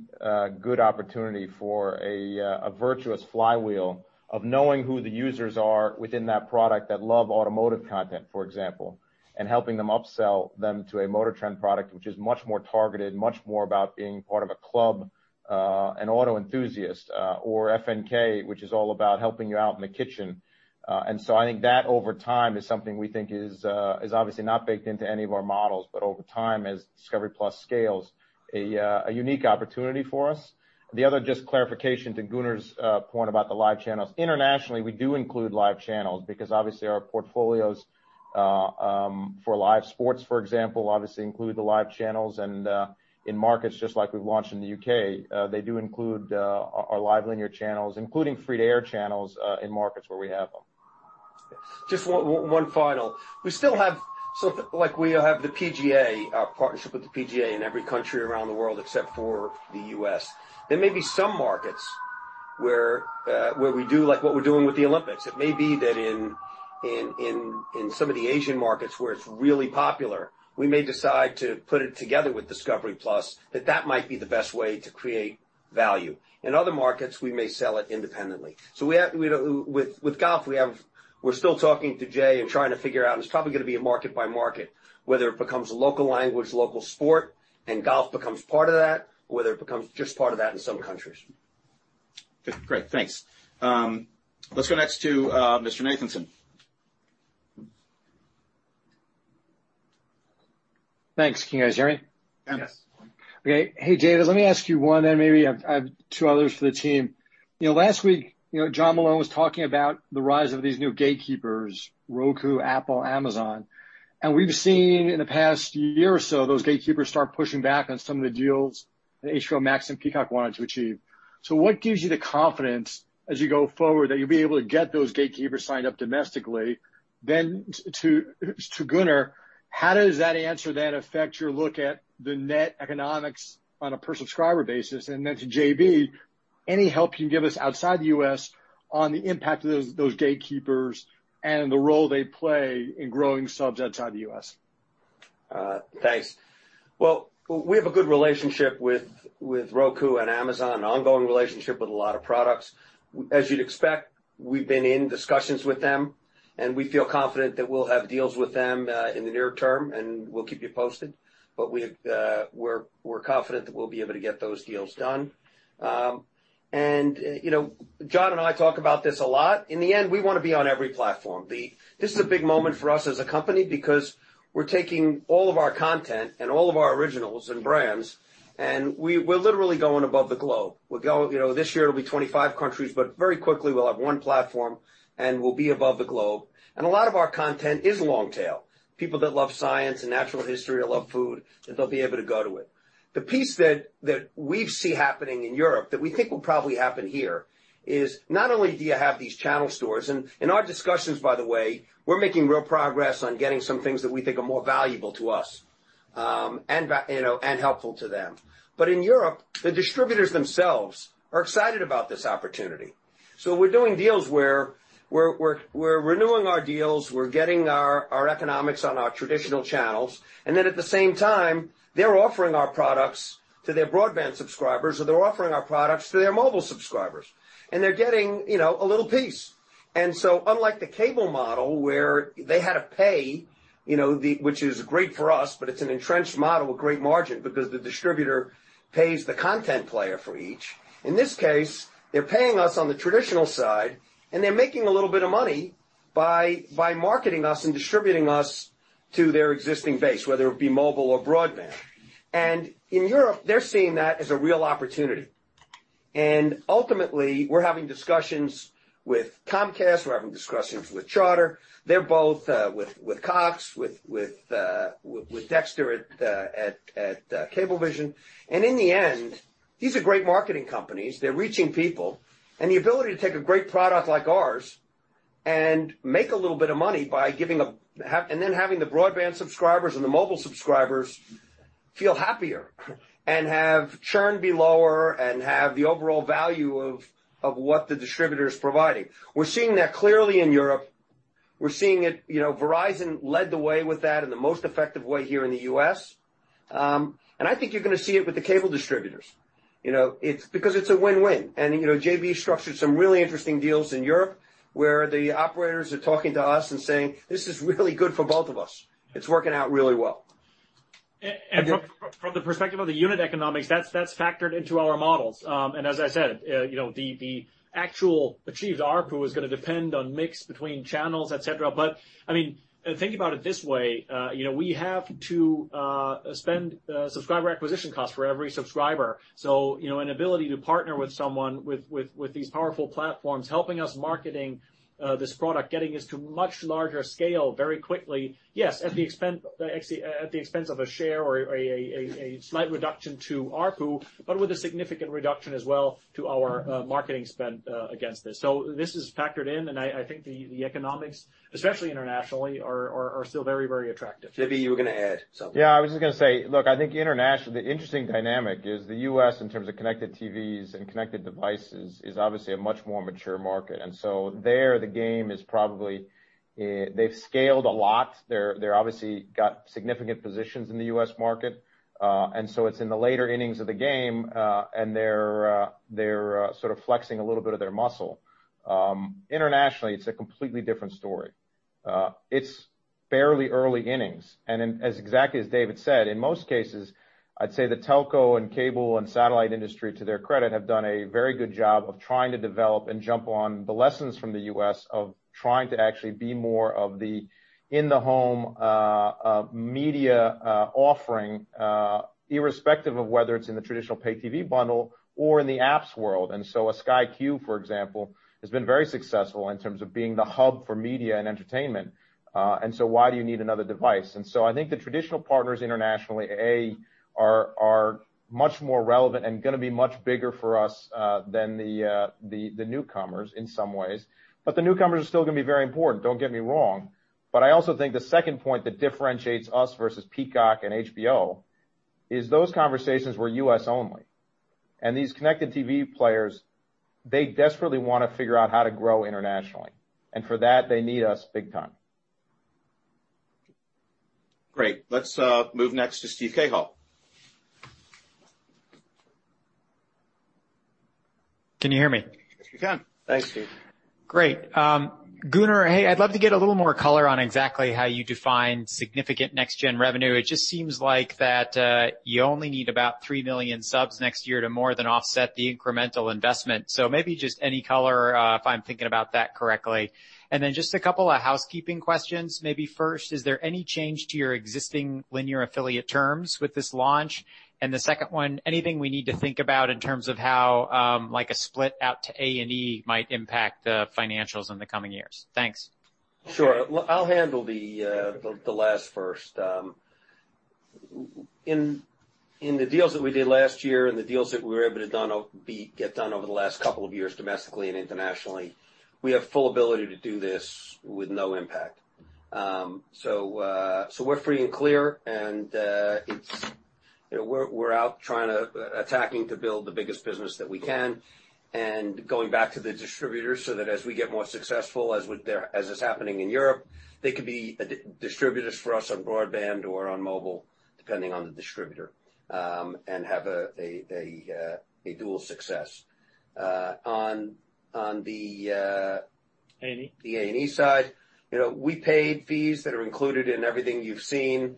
good opportunity for a virtuous flywheel of knowing who the users are within that product that love automotive content, for example, and helping them upsell them to a MotorTrend product, which is much more targeted, much more about being part of a club, an auto enthusiast, or FNK, which is all about helping you out in the kitchen. So I think that over time is something we think is obviously not baked into any of our models, but over time, as discovery+ scales, a unique opportunity for us. The other just clarification to Gunnar's point about the live channels. Internationally, we do include live channels because obviously our portfolios for live sports, for example, obviously include the live channels and in markets just like we've launched in the U.K., they do include our live linear channels, including free-to-air channels in markets where we have them. Just one final. We still have the partnership with the PGA in every country around the world except for the U.S. There may be some markets where we do like what we're doing with the Olympics. It may be that in some of the Asian markets where it's really popular, we may decide to put it together with discovery+, that that might be the best way to create value. In other markets, we may sell it independently. With golf, we're still talking to Jay and trying to figure out, it's probably going to be a market by market, whether it becomes local language, local sport, and golf becomes part of that, or whether it becomes just part of that in some countries. Great, thanks. Let's go next to Mr. Nathanson. Thanks. Can you guys hear me? Yes. Okay. Hey, David, let me ask you one then maybe I have two others for the team. Last week, John Malone was talking about the rise of these new gatekeepers, Roku, Apple, Amazon. We've seen in the past year or so, those gatekeepers start pushing back on some of the deals that HBO Max and Peacock wanted to achieve. What gives you the confidence as you go forward that you'll be able to get those gatekeepers signed up domestically, then to Gunnar, how does that answer then affect your look at the net economics on a per subscriber basis? Then to J.B., any help you can give us outside the U.S. on the impact of those gatekeepers and the role they play in growing subs outside the U.S.? Thanks. Well, we have a good relationship with Roku and Amazon, an ongoing relationship with a lot of products. As you'd expect, we've been in discussions with them. We feel confident that we'll have deals with them in the near term. We'll keep you posted. We're confident that we'll be able to get those deals done. John and I talk about this a lot. In the end, we want to be on every platform. This is a big moment for us as a company because we're taking all of our content and all of our originals and brands. We're literally going above the globe. This year, it'll be 25 countries. Very quickly we'll have one platform. We'll be above the globe. A lot of our content is long tail. People that love science and natural history or love food, that they'll be able to go to it. The piece that we see happening in Europe that we think will probably happen here is not only do you have these channel stores, and in our discussions, by the way, we're making real progress on getting some things that we think are more valuable to us, and helpful to them. In Europe, the distributors themselves are excited about this opportunity. We're doing deals where we're renewing our deals, we're getting our economics on our traditional channels, and then at the same time, they're offering our products to their broadband subscribers, or they're offering our products to their mobile subscribers. They're getting a little piece. Unlike the cable model where they had to pay, which is great for us, but it's an entrenched model, a great margin because the distributor pays the content player for each. In this case, they're paying us on the traditional side, and they're making a little bit of money by marketing us and distributing us to their existing base, whether it be mobile or broadband. In Europe, they're seeing that as a real opportunity. Ultimately, we're having discussions with Comcast, we're having discussions with Charter. They're both, with Cox, with Dexter at Cablevision. In the end, these are great marketing companies. They're reaching people, and the ability to take a great product like ours and make a little bit of money and then having the broadband subscribers and the mobile subscribers feel happier and have churn be lower and have the overall value of what the distributor is providing. We're seeing that clearly in Europe. We're seeing it, Verizon led the way with that in the most effective way here in the U.S. I think you're going to see it with the cable distributors. Because it's a win-win. J.B. structured some really interesting deals in Europe where the operators are talking to us and saying, "This is really good for both of us." It's working out really well. From the perspective of the unit economics, that's factored into our models. As I said, the actual achieved ARPU is going to depend on mix between channels, et cetera. I mean, think about it this way. We have to spend subscriber acquisition cost for every subscriber. An ability to partner with someone with these powerful platforms, helping us marketing this product, getting us to much larger scale very quickly. Yes, at the expense of a share or a slight reduction to ARPU, but with a significant reduction as well to our marketing spend against this. This is factored in, and I think the economics, especially internationally, are still very, very attractive. J.B., you were going to add something. Yeah, I was just going to say, look, I think international, the interesting dynamic is the U.S. in terms of connected TVs and connected devices is obviously a much more mature market. There, the game is probably, they've scaled a lot. They've obviously got significant positions in the U.S. market. It's in the later innings of the game, and they're sort of flexing a little bit of their muscle. Internationally, it's a completely different story. It's barely early innings. As exactly as David said, in most cases, I'd say the telco and cable and satellite industry, to their credit, have done a very good job of trying to develop and jump on the lessons from the U.S. of trying to actually be more of the in-the-home media offering, irrespective of whether it's in the traditional pay TV bundle or in the apps world. A Sky Q, for example, has been very successful in terms of being the hub for media and entertainment. Why do you need another device? I think the traditional partners internationally, A, are much more relevant and going to be much bigger for us than the newcomers in some ways. The newcomers are still going to be very important, don't get me wrong. I also think the second point that differentiates us versus Peacock and HBO is those conversations were U.S. only. These connected TV players, they desperately want to figure out how to grow internationally. For that, they need us big time. Great. Let's move next to Steven Cahall. Can you hear me? Yes, we can. Thanks, Steve. Great. Gunnar, hey, I'd love to get a little more color on exactly how you define significant next-gen revenue. It just seems like that you only need about 3 million subs next year to more than offset the incremental investment. Maybe just any color if I'm thinking about that correctly. Then just a couple of housekeeping questions. Maybe first, is there any change to your existing linear affiliate terms with this launch? The second one, anything we need to think about in terms of how, like a split out to A&E might impact financials in the coming years? Thanks. Sure. I'll handle the last first. In the deals that we did last year and the deals that we were able to get done over the last couple of years, domestically and internationally, we have full ability to do this with no impact. We're free and clear, and we're out attacking to build the biggest business that we can. Going back to the distributors, so that as we get more successful as is happening in Europe, they could be distributors for us on broadband or on mobile, depending on the distributor, and have a dual success. A&E? The A&E side. We paid fees that are included in everything you've seen.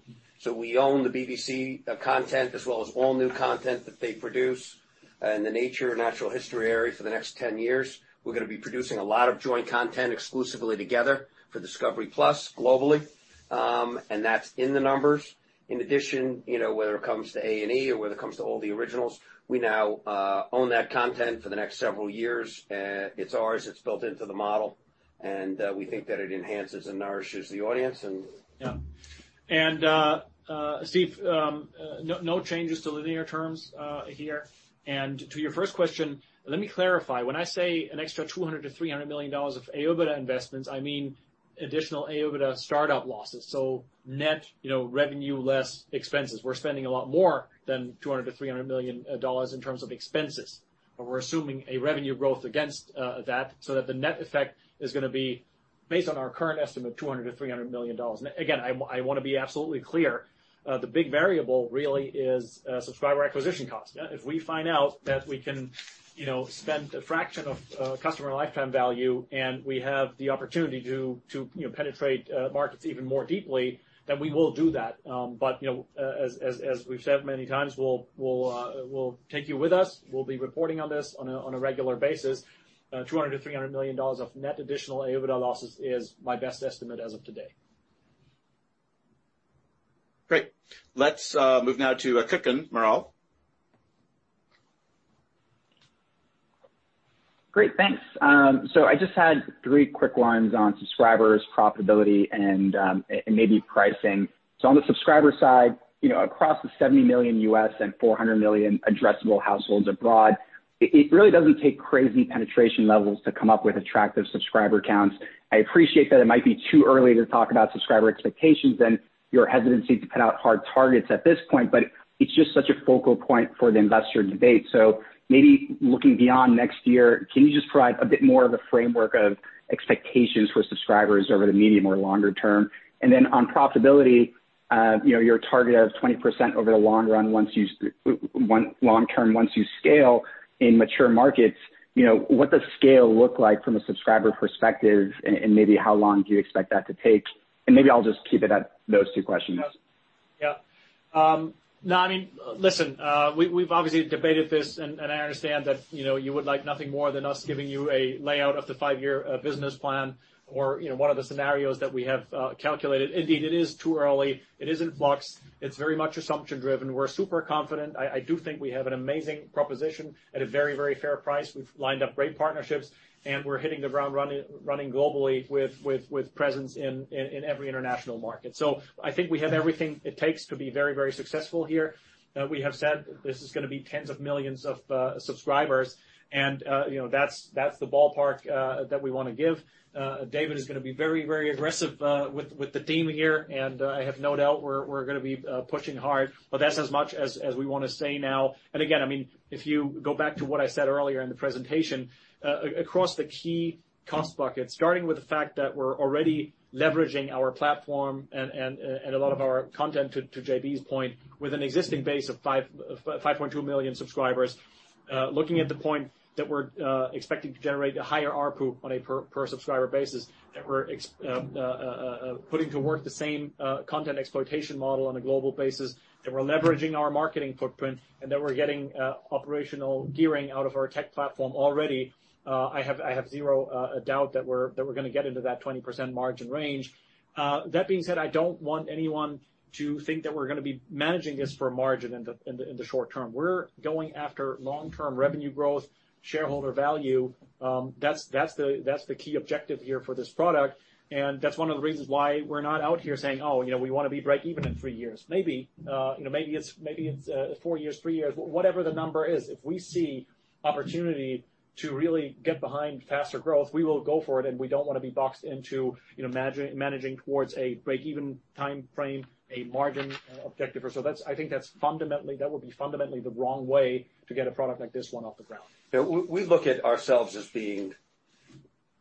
We own the BBC content as well as all new content that they produce in the nature and natural history area for the next 10 years. We're going to be producing a lot of joint content exclusively together for discovery+ globally. That's in the numbers. In addition, whether it comes to A&E or whether it comes to all the originals, we now own that content for the next several years. It's ours, it's built into the model, and we think that it enhances and nourishes the audience. Yeah. Steve, no changes to linear terms here. To your first question, let me clarify. When I say an extra $200 million-$300 million of AOIBDA investments, I mean additional AOIBDA startup losses. Net revenue less expenses. We're spending a lot more than $200 million-$300 million in terms of expenses. We're assuming a revenue growth against that, so that the net effect is going to be based on our current estimate of $200 million-$300 million. Again, I want to be absolutely clear. The big variable really is subscriber acquisition cost. If we find out that we can spend a fraction of customer lifetime value and we have the opportunity to penetrate markets even more deeply, then we will do that. As we've said many times, we'll take you with us. We'll be reporting on this on a regular basis. $200 million-$300 million of net additional AOBDA losses is my best estimate as of today. Great. Let's move now to [Kutgun Maral]. Great, thanks. I just had three quick ones on subscribers, profitability, and maybe pricing. On the subscriber side, across the 70 million U.S. and 400 million addressable households abroad, it really doesn't take crazy penetration levels to come up with attractive subscriber counts. I appreciate that it might be too early to talk about subscriber expectations and your hesitancy to put out hard targets at this point, but it's just such a focal point for the investor debate. Maybe looking beyond next year, can you just provide a bit more of a framework of expectations for subscribers over the medium or longer term? On profitability, your target of 20% over the long run. Long-term, once you scale in mature markets, what does scale look like from a subscriber perspective? Maybe how long do you expect that to take? Maybe I'll just keep it at those two questions. Yeah. Listen, we've obviously debated this, I understand that you would like nothing more than us giving you a layout of the five-year business plan or one of the scenarios that we have calculated. Indeed, it is too early. It is in flux. It's very much assumption driven. We're super confident. I do think we have an amazing proposition at a very, very fair price. We've lined up great partnerships, we're hitting the ground running globally with presence in every international market. I think we have everything it takes to be very, very successful here. We have said this is going to be tens of millions of subscribers, that's the ballpark that we want to give. David is going to be very, very aggressive with the team here, I have no doubt we're going to be pushing hard. That's as much as we want to say now. Again, if you go back to what I said earlier in the presentation. Across the key cost buckets, starting with the fact that we're already leveraging our platform and a lot of our content, to J.B.'s point, with an existing base of 5.2 million subscribers. Looking at the point that we're expecting to generate a higher ARPU on a per subscriber basis, that we're putting to work the same content exploitation model on a global basis. That we're leveraging our marketing footprint, and that we're getting operational gearing out of our tech platform already. I have zero doubt that we're going to get into that 20% margin range. That being said, I don't want anyone to think that we're going to be managing this for margin in the short term. We're going after long-term revenue growth, shareholder value. That's the key objective here for this product, and that's one of the reasons why we're not out here saying, "Oh, we want to be breakeven in three years." Maybe it's four years, three years, whatever the number is. If we see opportunity to really get behind faster growth, we will go for it, and we don't want to be boxed into managing towards a breakeven timeframe, a margin objective. I think that would be fundamentally the wrong way to get a product like this one off the ground. We look at ourselves as being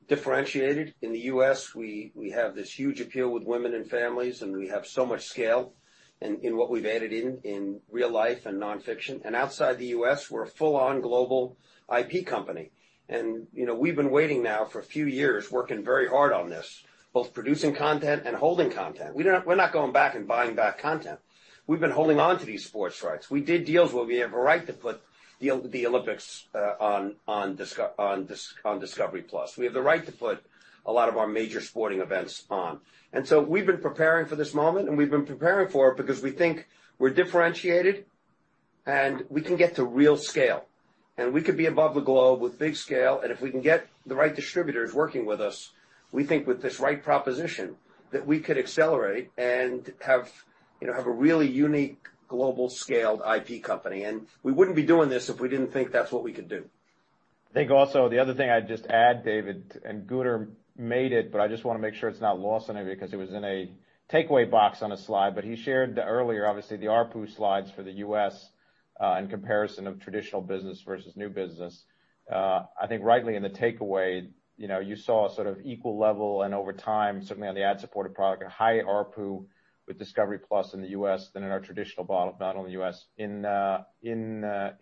differentiated. In the U.S., we have this huge appeal with women and families, and we have so much scale in what we've added in real life and nonfiction. Outside the U.S., we're a full-on global IP company. We've been waiting now for a few years, working very hard on this, both producing content and holding content. We're not going back and buying back content. We've been holding onto these sports rights. We did deals where we have a right to put the Olympics on discovery+. We have the right to put a lot of our major sporting events on. We've been preparing for this moment, and we've been preparing for it because we think we're differentiated and we can get to real scale. We could be above the globe with big scale, and if we can get the right distributors working with us, we think with this right proposition, that we could accelerate and have a really unique global scaled IP company. We wouldn't be doing this if we didn't think that's what we could do. I think also the other thing I'd just add, David, and Gunnar made it, but I just want to make sure it's not lost on anybody because it was in a takeaway box on a slide, but he shared earlier, obviously, the ARPU slides for the U.S., in comparison of traditional business versus new business. I think rightly in the takeaway, you saw a sort of equal level and over time, certainly on the ad-supported product, a high ARPU with discovery+ in the U.S. than in our traditional model, not only U.S. In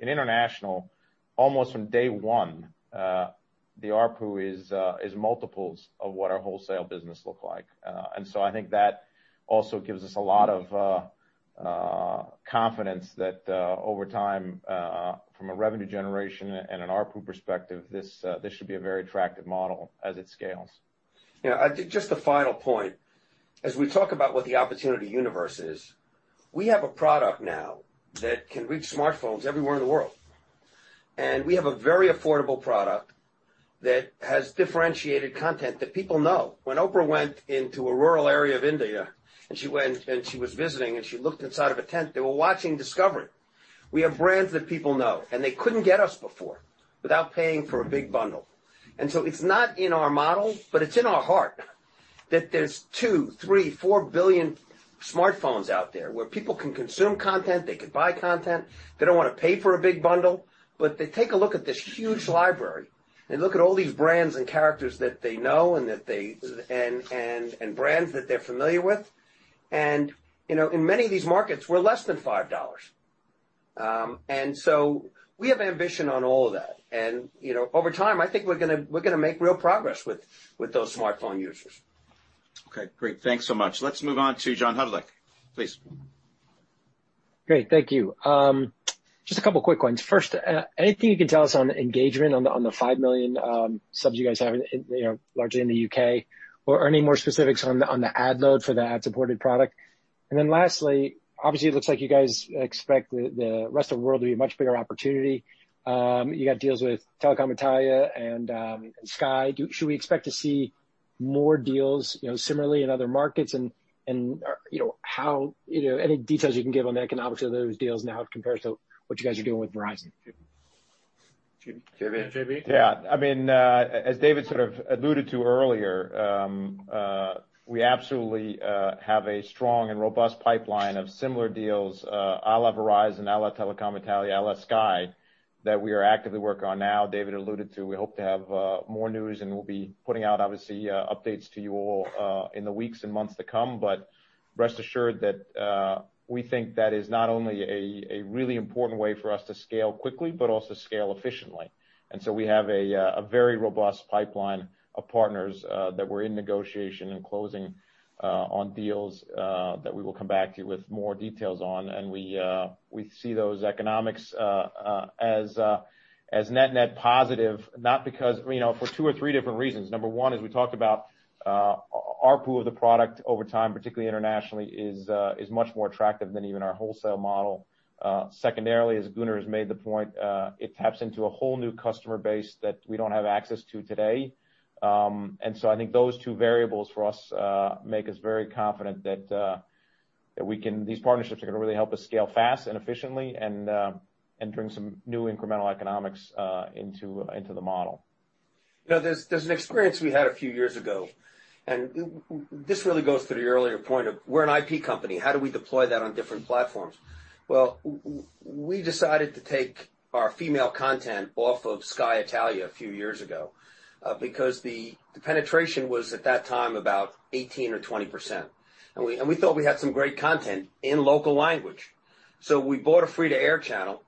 international, almost from day one, the ARPU is multiples of what our wholesale business look like. I think that also gives us a lot of confidence that, over time, from a revenue generation and an ARPU perspective, this should be a very attractive model as it scales. Yeah. I think just a final point. As we talk about what the opportunity universe is, we have a product now that can reach smartphones everywhere in the world. We have a very affordable product that has differentiated content that people know. When Oprah went into a rural area of India, and she went and she was visiting and she looked inside of a tent, they were watching Discovery. We have brands that people know, and they couldn't get us before without paying for a big bundle. It's not in our model, but it's in our heart that there's two, three, four billion smartphones out there where people can consume content, they could buy content. They don't want to pay for a big bundle, they take a look at this huge library and look at all these brands and characters that they know and brands that they're familiar with. In many of these markets, we're less than $5. We have ambition on all of that. Over time, I think we're going to make real progress with those smartphone users. Okay, great. Thanks so much. Let's move on to John Hodulik. Please. Great. Thank you. Just a couple of quick ones. First, anything you can tell us on engagement on the 5 million subs you guys have largely in the U.K., or any more specifics on the ad load for the ad-supported product? Lastly, obviously, it looks like you guys expect the rest of the world to be a much bigger opportunity. You got deals with Telecom Italia and Sky. Should we expect to see more deals similarly in other markets? Any details you can give on the economics of those deals now compared to what you guys are doing with Verizon? J.B.? Yeah. As David sort of alluded to earlier, we absolutely have a strong and robust pipeline of similar deals à la Verizon, à la Telecom Italia, à la Sky, that we are actively working on now. David alluded to, we hope to have more news, and we'll be putting out, obviously, updates to you all in the weeks and months to come. Rest assured that we think that is not only a really important way for us to scale quickly but also scale efficiently. We have a very robust pipeline of partners that we're in negotiation and closing on deals that we will come back to you with more details on. We see those economics as net-net positive, for two or three different reasons. Number one, as we talked about, ARPU of the product over time, particularly internationally, is much more attractive than even our wholesale model. Secondarily, as Gunnar has made the point, it taps into a whole new customer base that we don't have access to today. I think those two variables for us make us very confident that these partnerships are going to really help us scale fast and efficiently and bring some new incremental economics into the model. There's an experience we had a few years ago. This really goes to the earlier point of we're an IP company. How do we deploy that on different platforms? We decided to take our female content off of Sky Italia a few years ago because the penetration was, at that time, about 18% or 20%. We thought we had some great content in local language. We bought a free-to-air channel,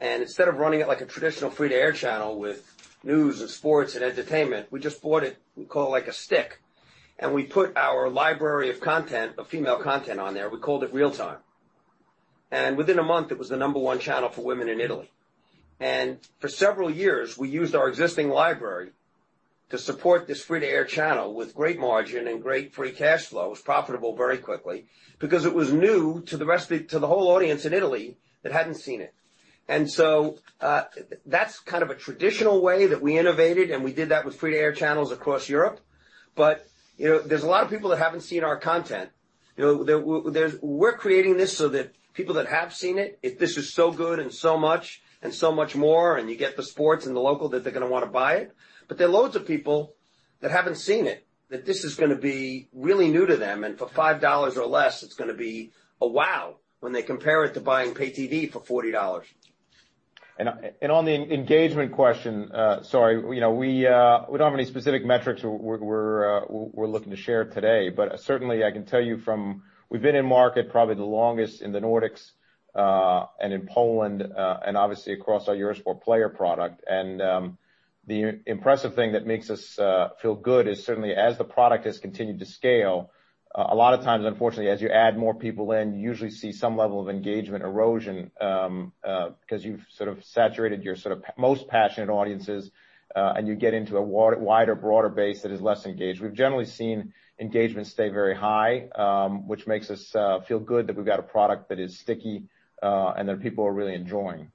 and instead of running it like a traditional free-to-air channel with news and sports and entertainment, we just bought it, we call like a stick, and we put our library of content, of female content on there. We called it Real Time. Within a month, it was the number one channel for women in Italy. For several years, we used our existing library to support this free-to-air channel with great margin and great free cash flow. It was profitable very quickly because it was new to the whole audience in Italy that hadn't seen it. That's kind of a traditional way that we innovated, and we did that with free-to-air channels across Europe. There's a lot of people that haven't seen our content. We're creating this so that people that have seen it, if this is so good and so much, and so much more, and you get the sports and the local that they're going to want to buy it. There are loads of people that haven't seen it, that this is going to be really new to them, and for $5 or less, it's going to be a wow when they compare it to buying pay TV for $40. On the engagement question, sorry. We don't have any specific metrics we're looking to share today, but certainly, I can tell you, we've been in market probably the longest in the Nordics and in Poland, and obviously across our Eurosport Player product. The impressive thing that makes us feel good is certainly as the product has continued to scale, a lot of times, unfortunately, as you add more people in, you usually see some level of engagement erosion, because you've sort of saturated your most passionate audiences, and you get into a wider, broader base that is less engaged. We've generally seen engagement stay very high, which makes us feel good that we've got a product that is sticky and that people are really enjoying.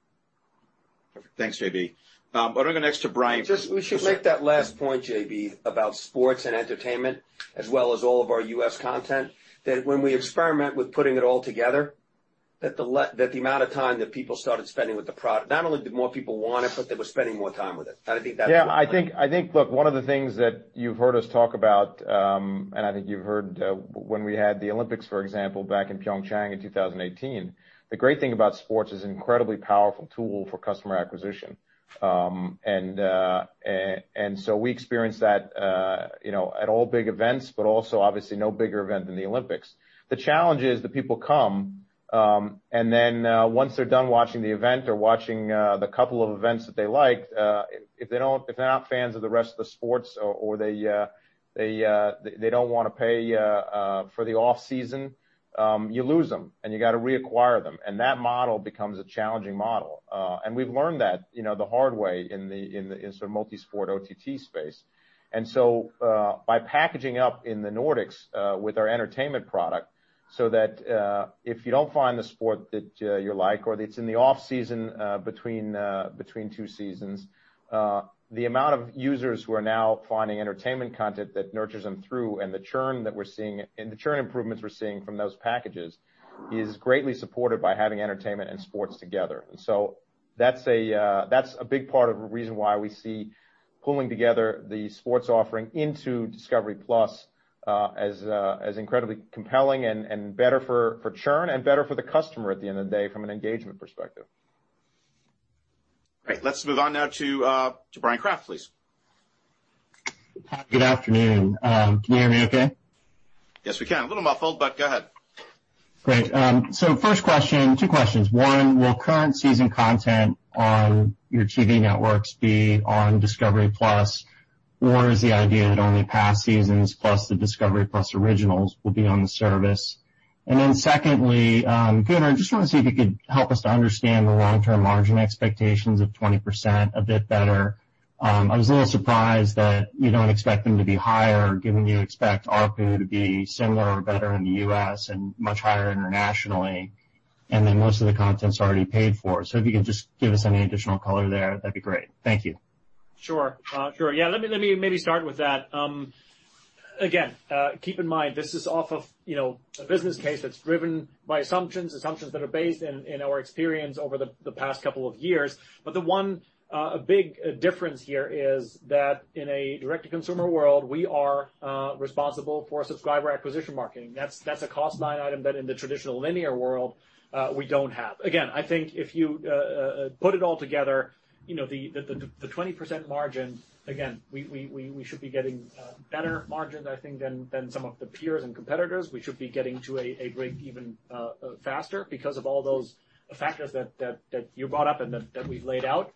Perfect. Thanks, J.B.. Now, I'll go next to Bryan. Just, we should make that last point, J.B., about sports and entertainment as well as all of our U.S. content, that when we experiment with putting it all together, that the amount of time that people started spending with the product, not only did more people want it, but they were spending more time with it. I think that's. Yeah. I think, look, one of the things that you've heard us talk about, and I think you've heard when we had the Olympics, for example, back in Pyeongchang in 2018, the great thing about sports is incredibly powerful tool for customer acquisition. We experienced that at all big events, but also obviously no bigger event than the Olympics. The challenge is that people come, and then, once they're done watching the event or watching the couple of events that they liked, if they're not fans of the rest of the sports or they don't want to pay for the off-season, you lose them and you got to reacquire them. That model becomes a challenging model. We've learned that the hard way in the multi-sport OTT space. By packaging up in the Nordics with our entertainment product, so that if you don't find the sport that you like or it's in the off-season between two seasons, the amount of users who are now finding entertainment content that nurtures them through and the churn improvements we're seeing from those packages is greatly supported by having entertainment and sports together. That's a big part of the reason why we see pulling together the sports offering into discovery+ as incredibly compelling and better for churn and better for the customer at the end of the day from an engagement perspective. Great. Let's move on now to Bryan Kraft, please. Good afternoon. Can you hear me okay? Yes, we can. A little muffled, but go ahead. Great. First question, two questions. One, will current season content on your TV networks be on discovery+? Is the idea that only past seasons plus the discovery+ originals will be on the service? Secondly, Gunnar, I just want to see if you could help us to understand the long-term margin expectations of 20% a bit better. I was a little surprised that you don't expect them to be higher given you expect ARPU to be similar or better in the U.S. and much higher internationally, and then most of the content's already paid for. If you could just give us any additional color there, that'd be great. Thank you. Sure. Yeah, let me maybe start with that. Again, keep in mind, this is off of a business case that's driven by assumptions that are based in our experience over the past couple of years. The one big difference here is that in a direct-to-consumer world, we are responsible for subscriber acquisition marketing. That's a cost line item that in the traditional linear world, we don't have. Again, I think if you put it all together, the 20% margin, again, we should be getting better margins, I think, than some of the peers and competitors. We should be getting to a break even faster because of all those factors that you brought up and that we've laid out.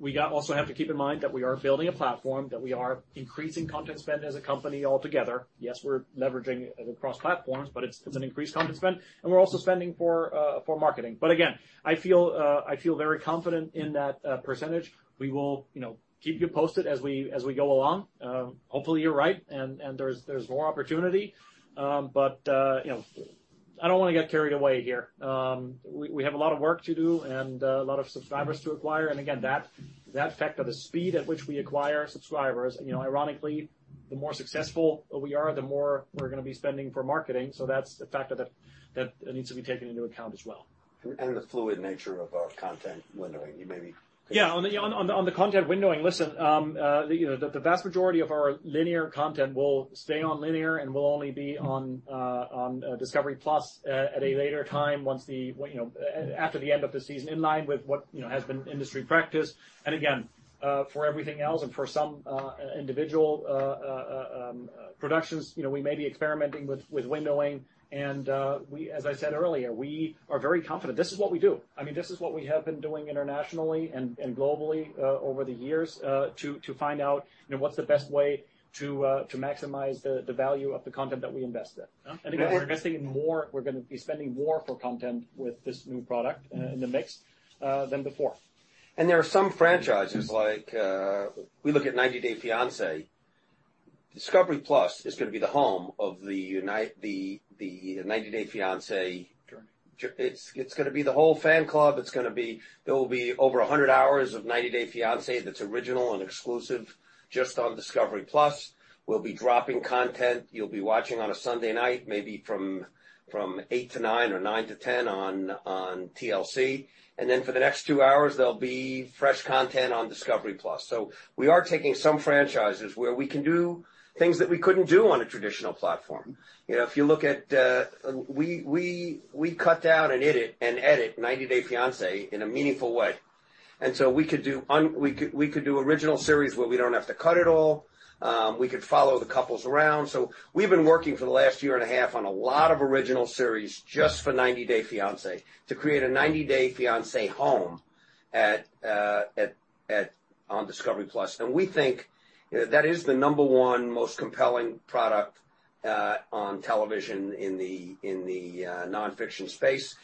We also have to keep in mind that we are building a platform, that we are increasing content spend as a company altogether. Yes, we're leveraging it across platforms, but it's an increased content spend, and we're also spending for marketing. Again, I feel very confident in that percentage. We will keep you posted as we go along. Hopefully, you're right and there's more opportunity. I don't want to get carried away here. We have a lot of work to do and a lot of subscribers to acquire. Again, that factor, the speed at which we acquire subscribers, ironically, the more successful we are, the more we're going to be spending for marketing. That's a factor that needs to be taken into account as well. The fluid nature of our content windowing. Yeah. On the content windowing, listen, the vast majority of our linear content will stay on linear and will only be on discovery+ at a later time after the end of the season, in line with what has been industry practice. Again, for everything else and for some individual productions, we may be experimenting with windowing. As I said earlier, we are very confident. This is what we do. I mean, this is what we have been doing internationally and globally over the years, to find out what's the best way to maximize the value of the content that we invest in. Again, we're investing more, we're going to be spending more for content with this new product in the mix than before. There are some franchises like, we look at "90 Day Fiancé," discovery+ is going to be the home of the "90 Day Fiancé. Sure. It's going to be the whole fan club. There will be over 100 hours of "90 Day Fiancé" that's original and exclusive just on discovery+. We'll be dropping content you'll be watching on a Sunday night, maybe from 8:00 to 9:00 or 9:00 to 10:00 on TLC, and then for the next two hours, there'll be fresh content on discovery+. We are taking some franchises where we can do things that we couldn't do on a traditional platform. We cut down and edit "90 Day Fiancé" in a meaningful way, and so we could do original series where we don't have to cut at all. We could follow the couples around. We've been working for the last year and a half on a lot of original series just for "90 Day Fiancé" to create a "90 Day Fiancé" home on discovery+. We think that is the number one most compelling product on television in the non-fiction space.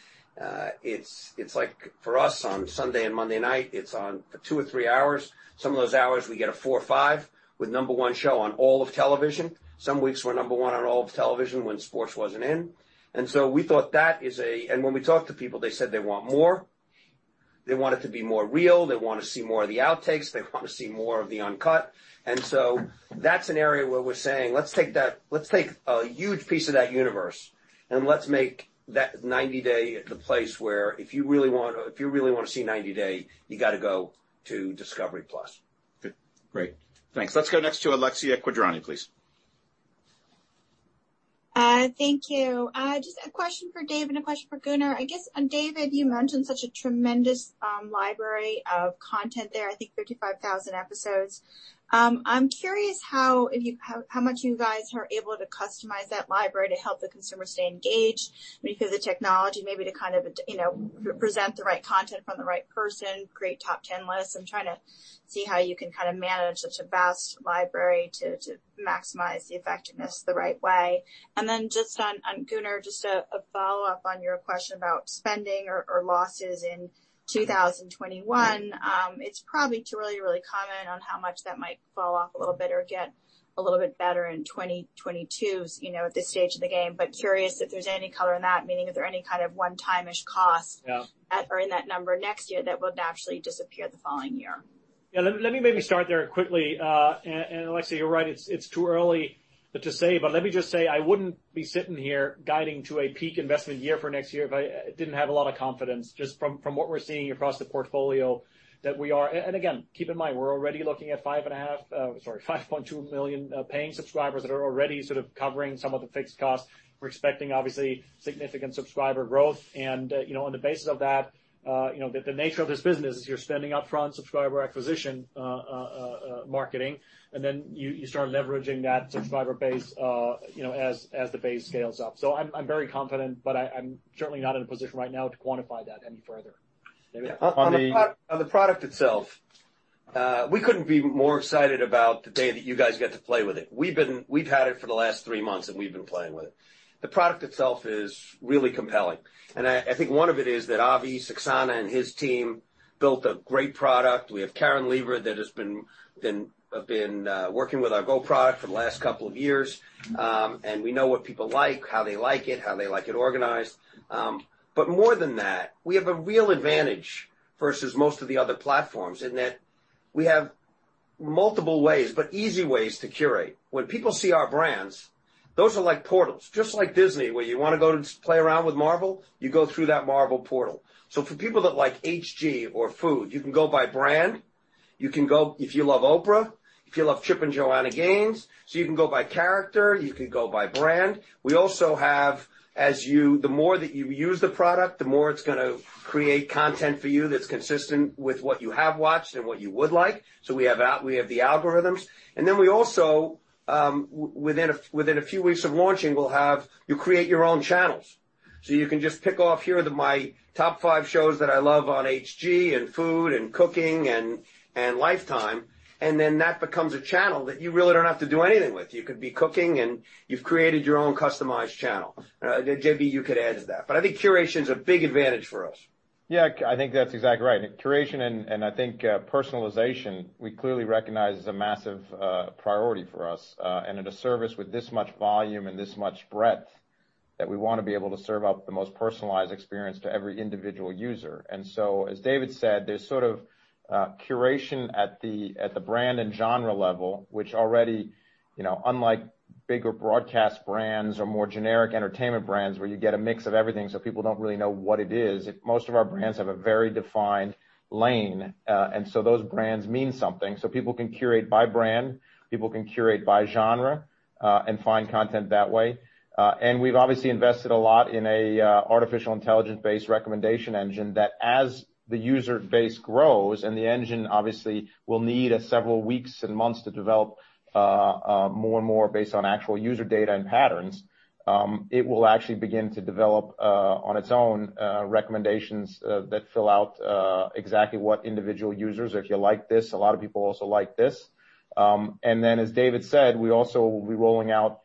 For us on Sunday and Monday night, it's on for two or three hours. Some of those hours, we get a four or five with number one show on all of television. Some weeks we're number one on all of television when sports wasn't in. When we talked to people, they said they want more. They want it to be more real. They want to see more of the outtakes. They want to see more of the uncut. That's an area where we're saying, "Let's take a huge piece of that universe, and let's make that '90 Day' the place where if you really want to see '90 Day,' you got to go to discovery+. Good. Great. Thanks. Let's go next to Alexia Quadrani, please. Thank you. Just a question for Dave and a question for Gunnar. David, you mentioned such a tremendous library of content there, I think 35,000 episodes. I'm curious how much you guys are able to customize that library to help the consumer stay engaged because of technology, maybe to kind of present the right content from the right person, create top 10 lists. I'm trying to see how you can manage such a vast library to maximize the effectiveness the right way. Just on, Gunnar, just a follow-up on your question about spending or losses in 2021. It's probably too early really to comment on how much that might fall off a little bit or get a little bit better in 2022 at this stage of the game, but curious if there's any color in that, meaning is there any kind of one-time-ish cost. Yeah. In that number next year that would naturally disappear the following year? Yeah. Let me maybe start there quickly. Alexia, you're right. It's too early to say, but let me just say, I wouldn't be sitting here guiding to a peak investment year for next year if I didn't have a lot of confidence just from what we're seeing across the portfolio that we are. Again, keep in mind, we're already looking at 5.2 million paying subscribers that are already sort of covering some of the fixed costs. We're expecting, obviously, significant subscriber growth. On the basis of that the nature of this business is you're spending upfront subscriber acquisition marketing, and then you start leveraging that subscriber base as the base scales up. I'm very confident, but I'm certainly not in a position right now to quantify that any further. David? On the- On the product itself. We couldn't be more excited about the day that you guys get to play with it. We've had it for the last three months, and we've been playing with it. The product itself is really compelling. I think one of it is that Avi Saxena and his team built a great product. We have Karen Leever that has been working with our Go product for the last couple of years. We know what people like, how they like it, how they like it organized. More than that, we have a real advantage versus most of the other platforms in that we have multiple ways, but easy ways to curate. When people see our brands, those are like portals, just like Disney, where you want to go to play around with Marvel, you go through that Marvel portal. For people that like HG or Food, you can go by brand. You can go if you love Oprah, if you love Chip and Joanna Gaines. You can go by character, you can go by brand. We also have as the more that you use the product, the more it's going to create content for you that's consistent with what you have watched and what you would like. We have the algorithms. We also within a few weeks of launching, we'll have you create your own channels. You can just pick off, "Here are my top five shows that I love on HG and Food and cooking and Lifetime." That becomes a channel that you really don't have to do anything with. You could be cooking, and you've created your own customized channel. J.B., you could add to that. I think curation's a big advantage for us. I think that's exactly right. Curation, I think personalization we clearly recognize is a massive priority for us. In a service with this much volume and this much breadth that we want to be able to serve up the most personalized experience to every individual user. As David said, there's sort of curation at the brand and genre level, which already unlike bigger broadcast brands or more generic entertainment brands where you get a mix of everything, so people don't really know what it is. Most of our brands have a very defined lane. Those brands mean something. People can curate by brand, people can curate by genre, find content that way. We've obviously invested a lot in a artificial intelligence-based recommendation engine that as the user base grows and the engine obviously will need several weeks and months to develop more and more based on actual user data and patterns. It will actually begin to develop on its own recommendations that fill out exactly what individual users. If you like this, a lot of people also like this. Then as David said, we also will be rolling out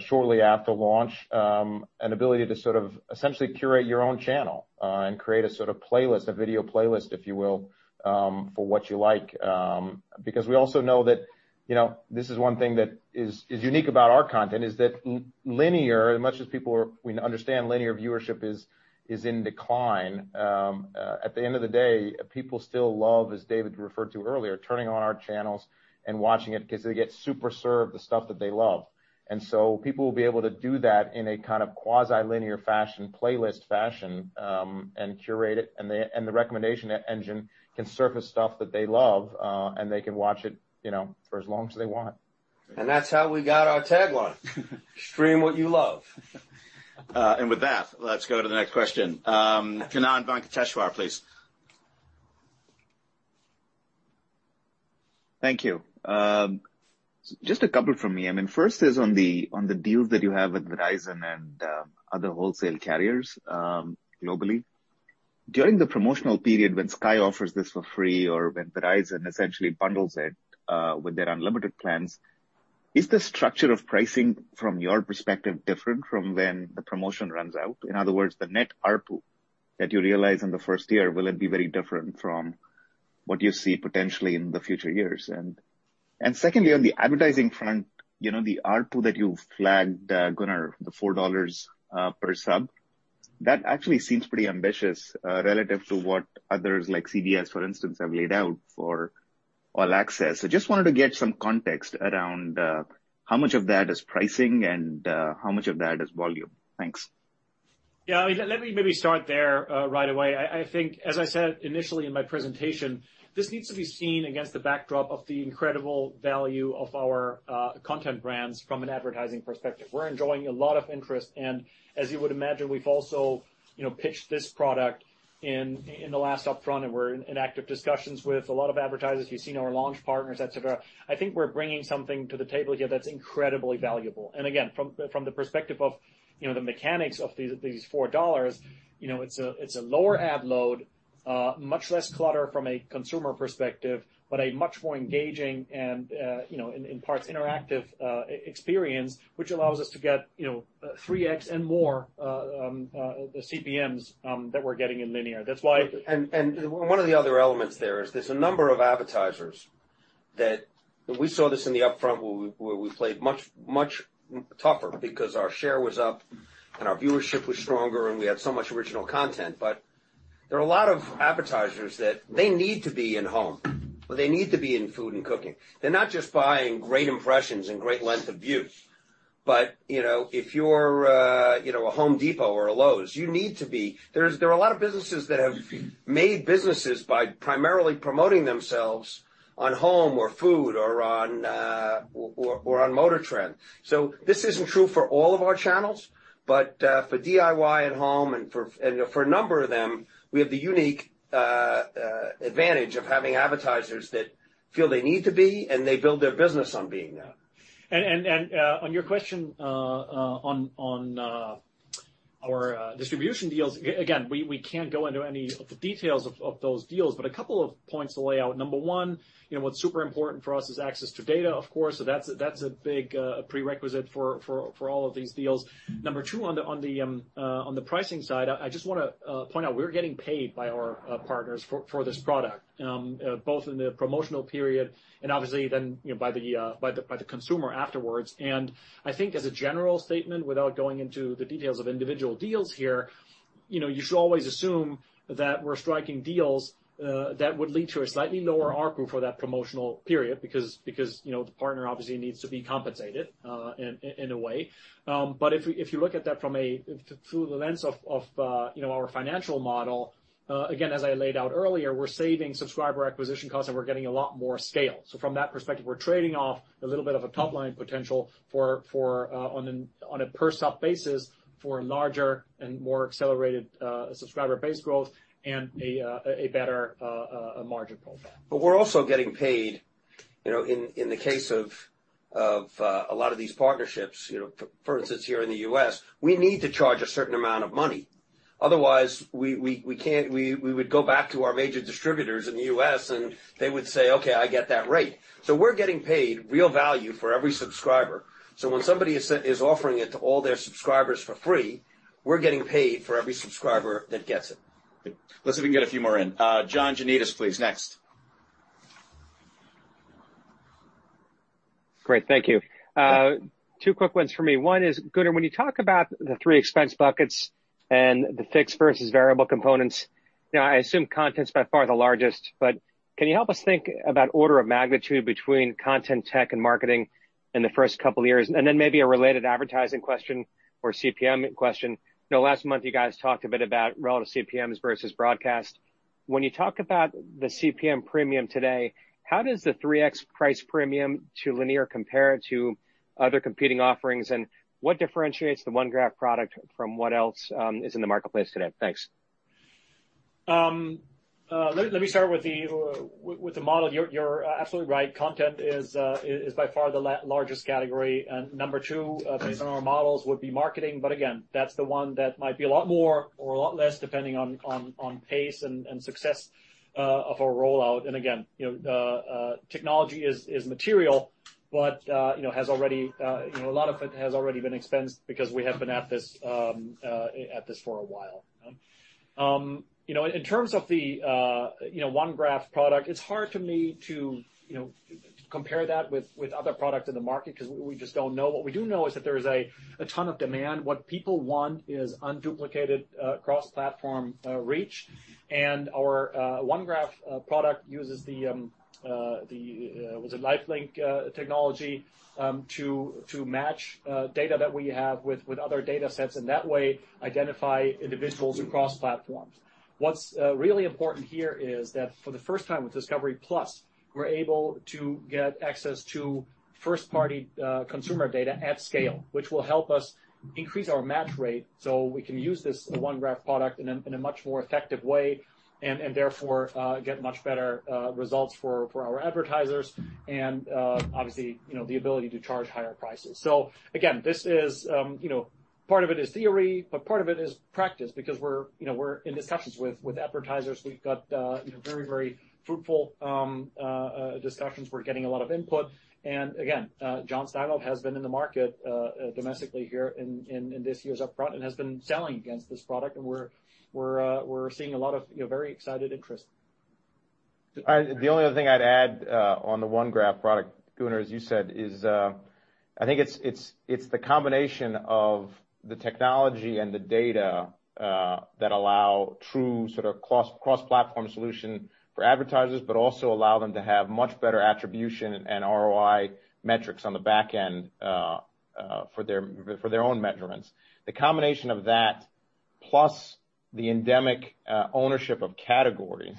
shortly after launch an ability to sort of essentially curate your own channel and create a sort of playlist, a video playlist, if you will for what you like. We also know that this is one thing that is unique about our content is that linear, as much as we understand linear viewership is in decline. At the end of the day, people still love, as David referred to earlier, turning on our channels and watching it because they get super served the stuff that they love. People will be able to do that in a kind of quasi-linear fashion, playlist fashion, and curate it. The recommendation engine can surface stuff that they love, and they can watch it for as long as they want. That's how we got our tagline. "Stream what you love." With that, let's go to the next question. Kannan Venkateshwar, please. Thank you. Just a couple from me. First is on the deals that you have with Verizon and other wholesale carriers globally. During the promotional period when Sky offers this for free or when Verizon essentially bundles it with their unlimited plans, is the structure of pricing from your perspective different from when the promotion runs out? In other words, the net ARPU that you realize in the first year, will it be very different from what you see potentially in the future years? Secondly, on the advertising front, the ARPU that you flagged, Gunnar, the $4 per sub, that actually seems pretty ambitious, relative to what others like CBS, for instance, have laid out for All Access. Just wanted to get some context around how much of that is pricing and how much of that is volume. Thanks. Yeah. Let me maybe start there right away. I think, as I said initially in my presentation, this needs to be seen against the backdrop of the incredible value of our content brands from an advertising perspective. We're enjoying a lot of interest. As you would imagine, we've also pitched this product in the last upfront, and we're in active discussions with a lot of advertisers. You've seen our launch partners, et cetera. I think we're bringing something to the table here that's incredibly valuable. Again, from the perspective of the mechanics of these $4, it's a lower ad load, much less clutter from a consumer perspective, but a much more engaging and in parts interactive experience, which allows us to get 3x and more CPMs that we're getting in linear. One of the other elements there is there's a number of advertisers that We saw this in the upfront where we played much tougher because our share was up and our viewership was stronger and we had so much original content. There are a lot of advertisers that they need to be in home or they need to be in food and cooking. They're not just buying great impressions and great length of view. If you're a Home Depot or a Lowe's, you need to be There are a lot of businesses that have made businesses by primarily promoting themselves on home or food or on MotorTrend. This isn't true for all of our channels, but for DIY and Home and for a number of them, we have the unique advantage of having advertisers that feel they need to be, and they build their business on being there. On your question on our distribution deals, again, we can't go into any of the details of those deals. A couple of points to lay out. Number one, what's super important for us is access to data, of course. That's a big prerequisite for all of these deals. Number two, on the pricing side, I just want to point out we're getting paid by our partners for this product, both in the promotional period and obviously then by the consumer afterwards. I think as a general statement, without going into the details of individual deals here, you should always assume that we're striking deals that would lead to a slightly lower ARPU for that promotional period because the partner obviously needs to be compensated in a way. If you look at that through the lens of our financial model, again, as I laid out earlier, we're saving subscriber acquisition costs and we're getting a lot more scale. From that perspective, we're trading off a little bit of a top-line potential on a per-sub basis for larger and more accelerated subscriber base growth and a better margin profile. We're also getting paid in the case of a lot of these partnerships. For instance, here in the U.S., we need to charge a certain amount of money. Otherwise, we would go back to our major distributors in the U.S. and they would say, "Okay, I get that rate." We're getting paid real value for every subscriber. When somebody is offering it to all their subscribers for free, we're getting paid for every subscriber that gets it. Let's see if we can get a few more in. John Janedis, please. Next. Great. Thank you. Yeah. Two quick ones for me. One is, Gunnar, when you talk about the three expense buckets and the fixed versus variable components, I assume content's by far the largest. Can you help us think about order of magnitude between content tech and marketing in the first couple of years? Maybe a related advertising question or CPM question. Last month, you guys talked a bit about relative CPMs versus broadcast. When you talk about the CPM premium today, how does the 3x price premium to linear compare to other competing offerings? What differentiates the OneGraph product from what else is in the marketplace today? Thanks. Let me start with the model. You're absolutely right. Content is by far the largest category. Number two, based on our models, would be marketing. Again, that's the one that might be a lot more or a lot less depending on pace and success of our rollout. Again, technology is material, but a lot of it has already been expensed because we have been at this for a while. In terms of the OneGraph product, it's hard for me to compare that with other products in the market because we just don't know. What we do know is that there is a ton of demand. What people want is unduplicated cross-platform reach. Our OneGraph product uses the, was it Lightlink technology, to match data that we have with other data sets, and that way identify individuals across platforms. What's really important here is that for the first time with discovery+, We're able to get access to first-party consumer data at scale, which will help us increase our match rate, so we can use this OneGraph product in a much more effective way, and therefore, get much better results for our advertisers and, obviously, the ability to charge higher prices. Again, part of it is theory, but part of it is practice because we're in discussions with advertisers. We've got very fruitful discussions. We're getting a lot of input. Again, Jon Steinlauf has been in the market domestically here in this year's upfront and has been selling against this product, and we're seeing a lot of very excited interest. The only other thing I'd add on the OneGraph product, Gunnar, as you said, is I think it's the combination of the technology and the data that allow true sort of cross-platform solution for advertisers, but also allow them to have much better attribution and ROI metrics on the back end for their own measurements. The combination of that, plus the endemic ownership of categories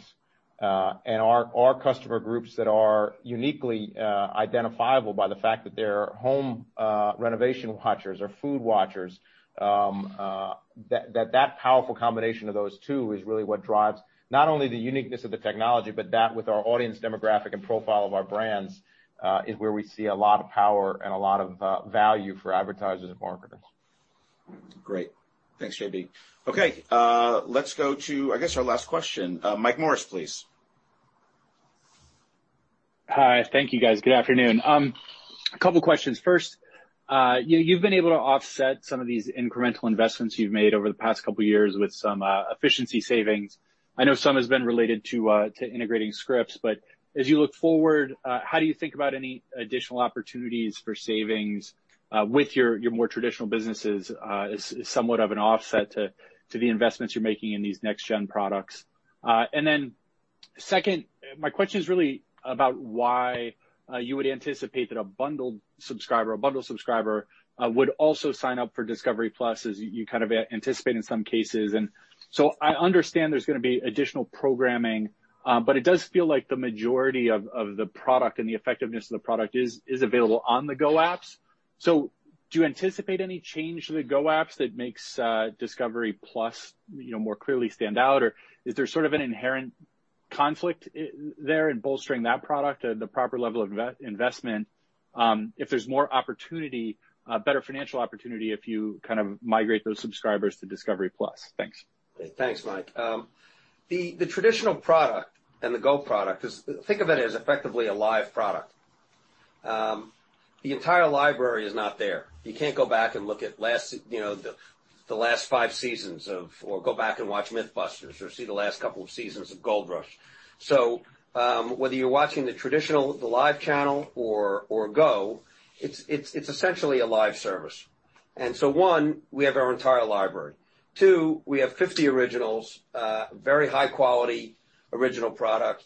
and our customer groups that are uniquely identifiable by the fact that they're home renovation watchers or food watchers that powerful combination of those two is really what drives not only the uniqueness of the technology, but that with our audience demographic and profile of our brands is where we see a lot of power and a lot of value for advertisers and marketers. Great. Thanks, J.B. Okay, let's go to, I guess, our last question. Michael Morris, please. Hi. Thank you, guys. Good afternoon. A couple questions. First, you've been able to offset some of these incremental investments you've made over the past couple of years with some efficiency savings. I know some has been related to integrating Scripps. As you look forward, how do you think about any additional opportunities for savings with your more traditional businesses as somewhat of an offset to the investments you're making in these next gen products? Second, my question is really about why you would anticipate that a bundled subscriber would also sign up for discovery+ as you kind of anticipate in some cases. I understand there's going to be additional programming, but it does feel like the majority of the product and the effectiveness of the product is available on the Go apps. Do you anticipate any change to the Go apps that makes discovery+ more clearly stand out? Or is there sort of an inherent conflict there in bolstering that product at the proper level of investment if there's more opportunity, better financial opportunity if you kind of migrate those subscribers to discovery+? Thanks. Thanks, Mike. The traditional product and the Go product is, think of it as effectively a live product. The entire library is not there. You can't go back and look at the last five seasons of, or go back and watch MythBusters or see the last couple of seasons of Gold Rush. Whether you're watching the traditional, the live channel or Go, it's essentially a live service. One, we have our entire library. Two, we have 50 originals, very high quality original product,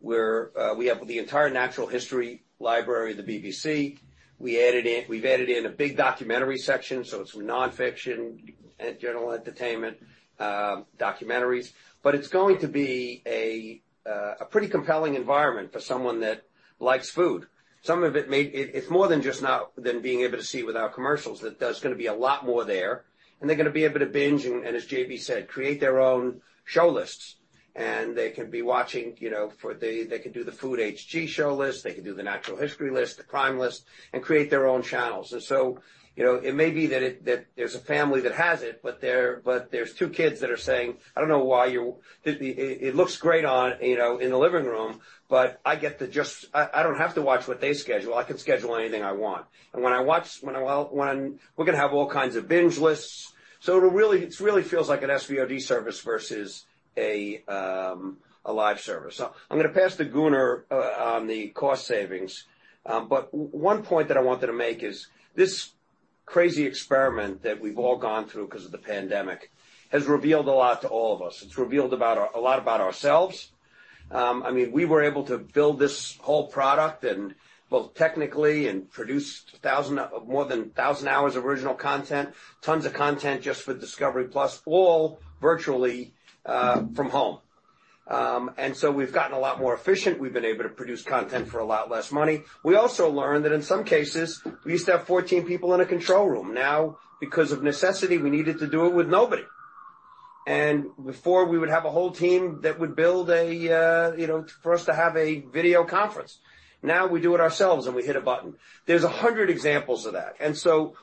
where we have the entire natural history library of the BBC. We've added in a big documentary section, so it's non-fiction and general entertainment documentaries. It's going to be a pretty compelling environment for someone that likes food. It's more than just now than being able to see without commercials. There's going to be a lot more there, and they're going to be able to binge and as J.B. said, create their own show lists, and they can be watching. They can do the Food, HG show list, they can do the natural history list, the crime list, and create their own channels. It may be that there's a family that has it, but there's two kids that are saying, "It looks great in the living room, but I don't have to watch what they schedule. I can schedule anything I want." We're going to have all kinds of binge lists. It really feels like an SVOD service versus a live service. I'm going to pass to Gunnar on the cost savings. One point that I wanted to make is this crazy experiment that we've all gone through because of the pandemic has revealed a lot to all of us. It's revealed a lot about ourselves. We were able to build this whole product both technically and produce more than 1,000 hours of original content, tons of content just for discovery+, all virtually from home. So we've gotten a lot more efficient. We've been able to produce content for a lot less money. We also learned that in some cases, we used to have 14 people in a control room. Now, because of necessity, we needed to do it with nobody. Before we would have a whole team that would build for us to have a video conference. Now we do it ourselves, and we hit a button. There's 100 examples of that.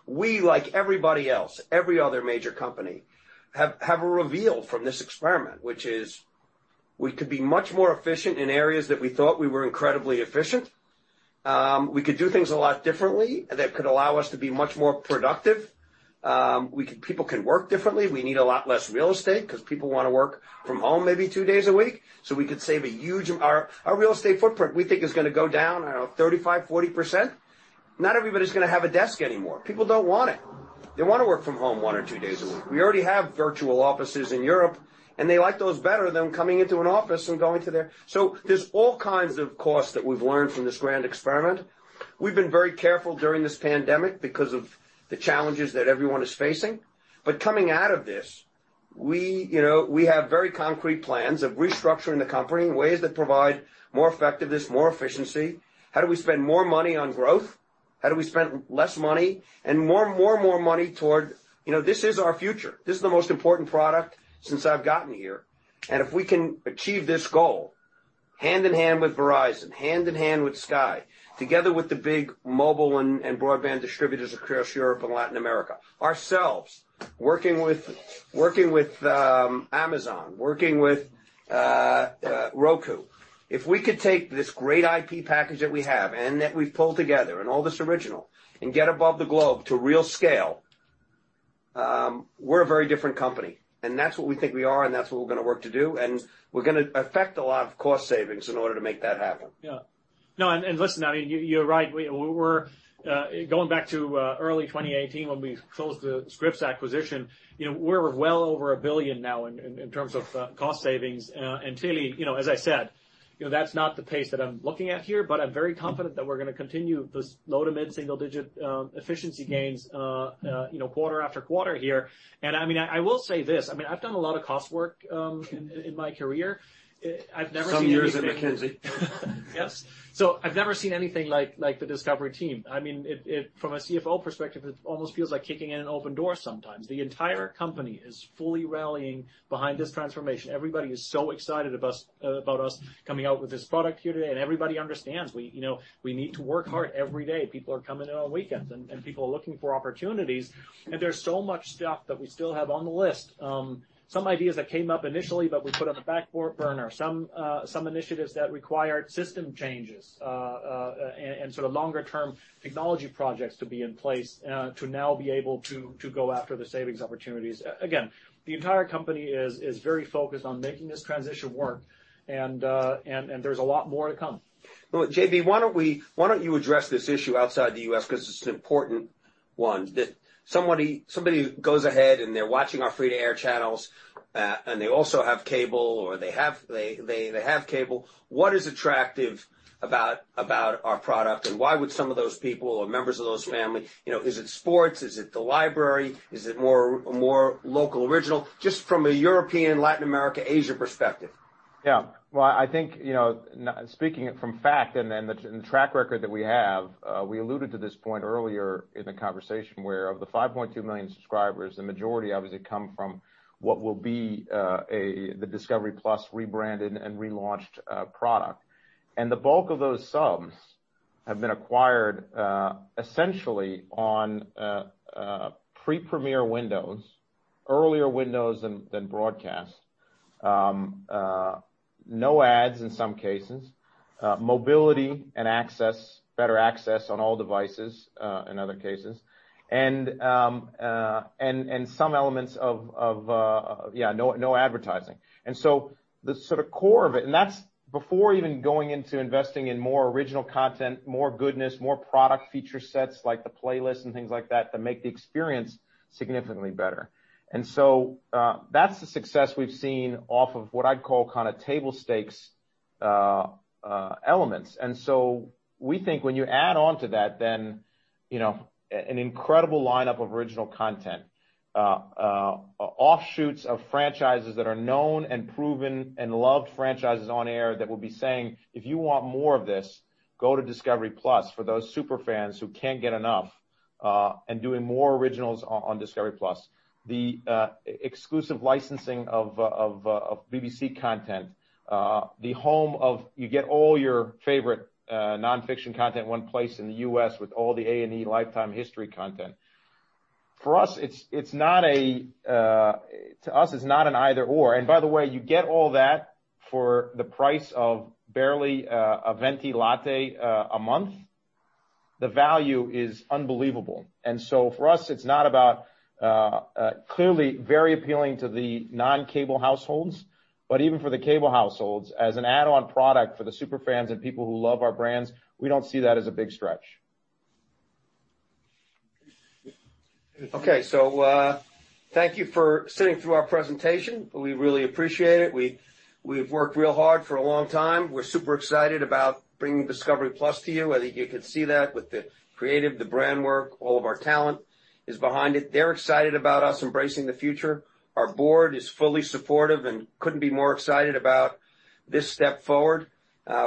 We, like everybody else, every other major company, have a reveal from this experiment, which is we could be much more efficient in areas that we thought we were incredibly efficient. We could do things a lot differently that could allow us to be much more productive. People can work differently. We need a lot less real estate because people want to work from home maybe two days a week. Our real estate footprint, we think, is going to go down 35%, 40%. Not everybody's going to have a desk anymore. People don't want it. They want to work from home one or two days a week. We already have virtual offices in Europe, and they like those better than coming into an office and going to there. There's all kinds of costs that we've learned from this grand experiment. We've been very careful during this pandemic because of the challenges that everyone is facing. Coming out of this We have very concrete plans of restructuring the company in ways that provide more effectiveness, more efficiency. How do we spend more money on growth? How do we spend less money and more, more, more money toward, you know, this is our future. This is the most important product since I've gotten here. If we can achieve this goal, hand-in-hand with Verizon, hand-in-hand with Sky, together with the big mobile and broadband distributors across Europe and Latin America, ourselves working with Amazon, working with Roku, if we could take this great IP package that we have and that we've pulled together, and all this original, and get above the globe to real scale, we're a very different company. That's what we think we are, and that's what we're going to work to do, and we're going to effect a lot of cost savings in order to make that happen. Yeah. No, listen, you're right. Going back to early 2018 when we closed the Scripps acquisition, we're well over $1 billion now in terms of cost savings. Clearly, as I said, that's not the pace that I'm looking at here, but I'm very confident that we're going to continue this low to mid-single-digit efficiency gains quarter after quarter here. I will say this, I've done a lot of cost work in my career. I've never seen anything. Some years at McKinsey. Yes. I've never seen anything like the Discovery team. From a CFO perspective, it almost feels like kicking in an open door sometimes. The entire company is fully rallying behind this transformation. Everybody is so excited about us coming out with this product here today, and everybody understands we need to work hard every day. People are coming in on weekends, and people are looking for opportunities. There's so much stuff that we still have on the list. Some ideas that came up initially, but we put on the back burner. Some initiatives that required system changes, and sort of longer term technology projects to be in place to now be able to go after the savings opportunities. Again, the entire company is very focused on making this transition work, and there's a lot more to come. J.B., why don't you address this issue outside the U.S., because this is an important one. That somebody goes ahead and they're watching our free-to-air channels, and they also have cable, or they have cable. What is attractive about our product and why would some of those people or members of those families? Is it sports? Is it the library? Is it more local original? Just from a European, Latin America, Asia perspective. Yeah. Well, I think, speaking from fact and then the track record that we have, we alluded to this point earlier in the conversation, where of the 5.2 million subscribers, the majority obviously come from what will be the discovery+ rebranded and relaunched product. The bulk of those subs have been acquired, essentially on pre-premiere windows, earlier windows than broadcast, no ads in some cases, mobility and better access on all devices in other cases. Some elements of no advertising. The sort of core of it, and that's before even going into investing in more original content, more goodness, more product feature sets like the playlist and things like that make the experience significantly better. That's the success we've seen off of what I'd call table stakes elements. We think when you add onto that then an incredible lineup of original content, offshoots of franchises that are known and proven and loved franchises on air that will be saying, "If you want more of this, go to discovery+," for those super fans who can't get enough, and doing more originals on discovery+. The exclusive licensing of BBC content. You get all your favorite nonfiction content in one place in the U.S. with all the A&E Lifetime History content. To us, it's not an either/or. By the way, you get all that for the price of barely a venti latte a month. The value is unbelievable. For us, it's not about, clearly very appealing to the non-cable households, but even for the cable households, as an add-on product for the super fans and people who love our brands, we don't see that as a big stretch. Okay. Thank you for sitting through our presentation. We really appreciate it. We've worked real hard for a long time. We're super excited about bringing discovery+ to you. I think you can see that with the creative, the brand work, all of our talent is behind it. They're excited about us embracing the future. Our board is fully supportive and couldn't be more excited about this step forward.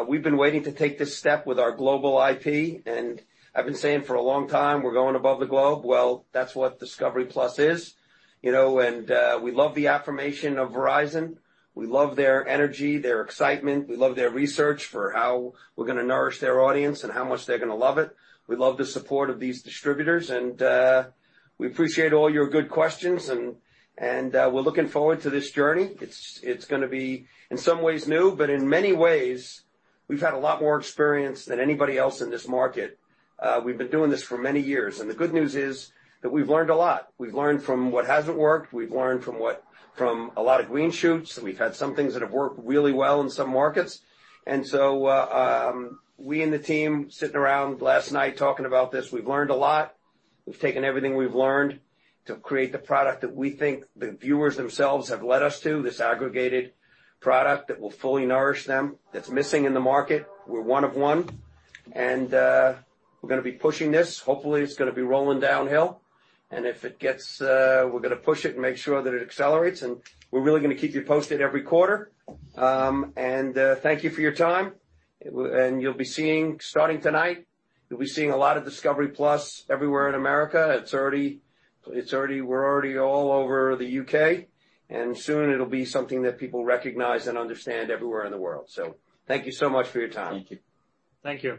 We've been waiting to take this step with our global IP, and I've been saying for a long time, we're going above the globe. That's what discovery+ is. We love the affirmation of Verizon. We love their energy, their excitement. We love their research for how we're going to nourish their audience and how much they're going to love it. We love the support of these distributors, and we appreciate all your good questions and we're looking forward to this journey. It's going to be in some ways new, but in many ways, we've had a lot more experience than anybody else in this market. We've been doing this for many years. The good news is that we've learned a lot. We've learned from what hasn't worked. We've learned from a lot of green shoots, and we've had some things that have worked really well in some markets. We in the team sitting around last night talking about this, we've learned a lot. We've taken everything we've learned to create the product that we think the viewers themselves have led us to. This aggregated product that will fully nourish them, that's missing in the market. We're one of one. We're going to be pushing this. Hopefully, it's going to be rolling downhill. We're going to push it and make sure that it accelerates, and we're really going to keep you posted every quarter. Thank you for your time. You'll be seeing, starting tonight, you'll be seeing a lot of discovery+ everywhere in America. We're already all over the U.K., soon it'll be something that people recognize and understand everywhere in the world. Thank you so much for your time. Thank you. Thank you.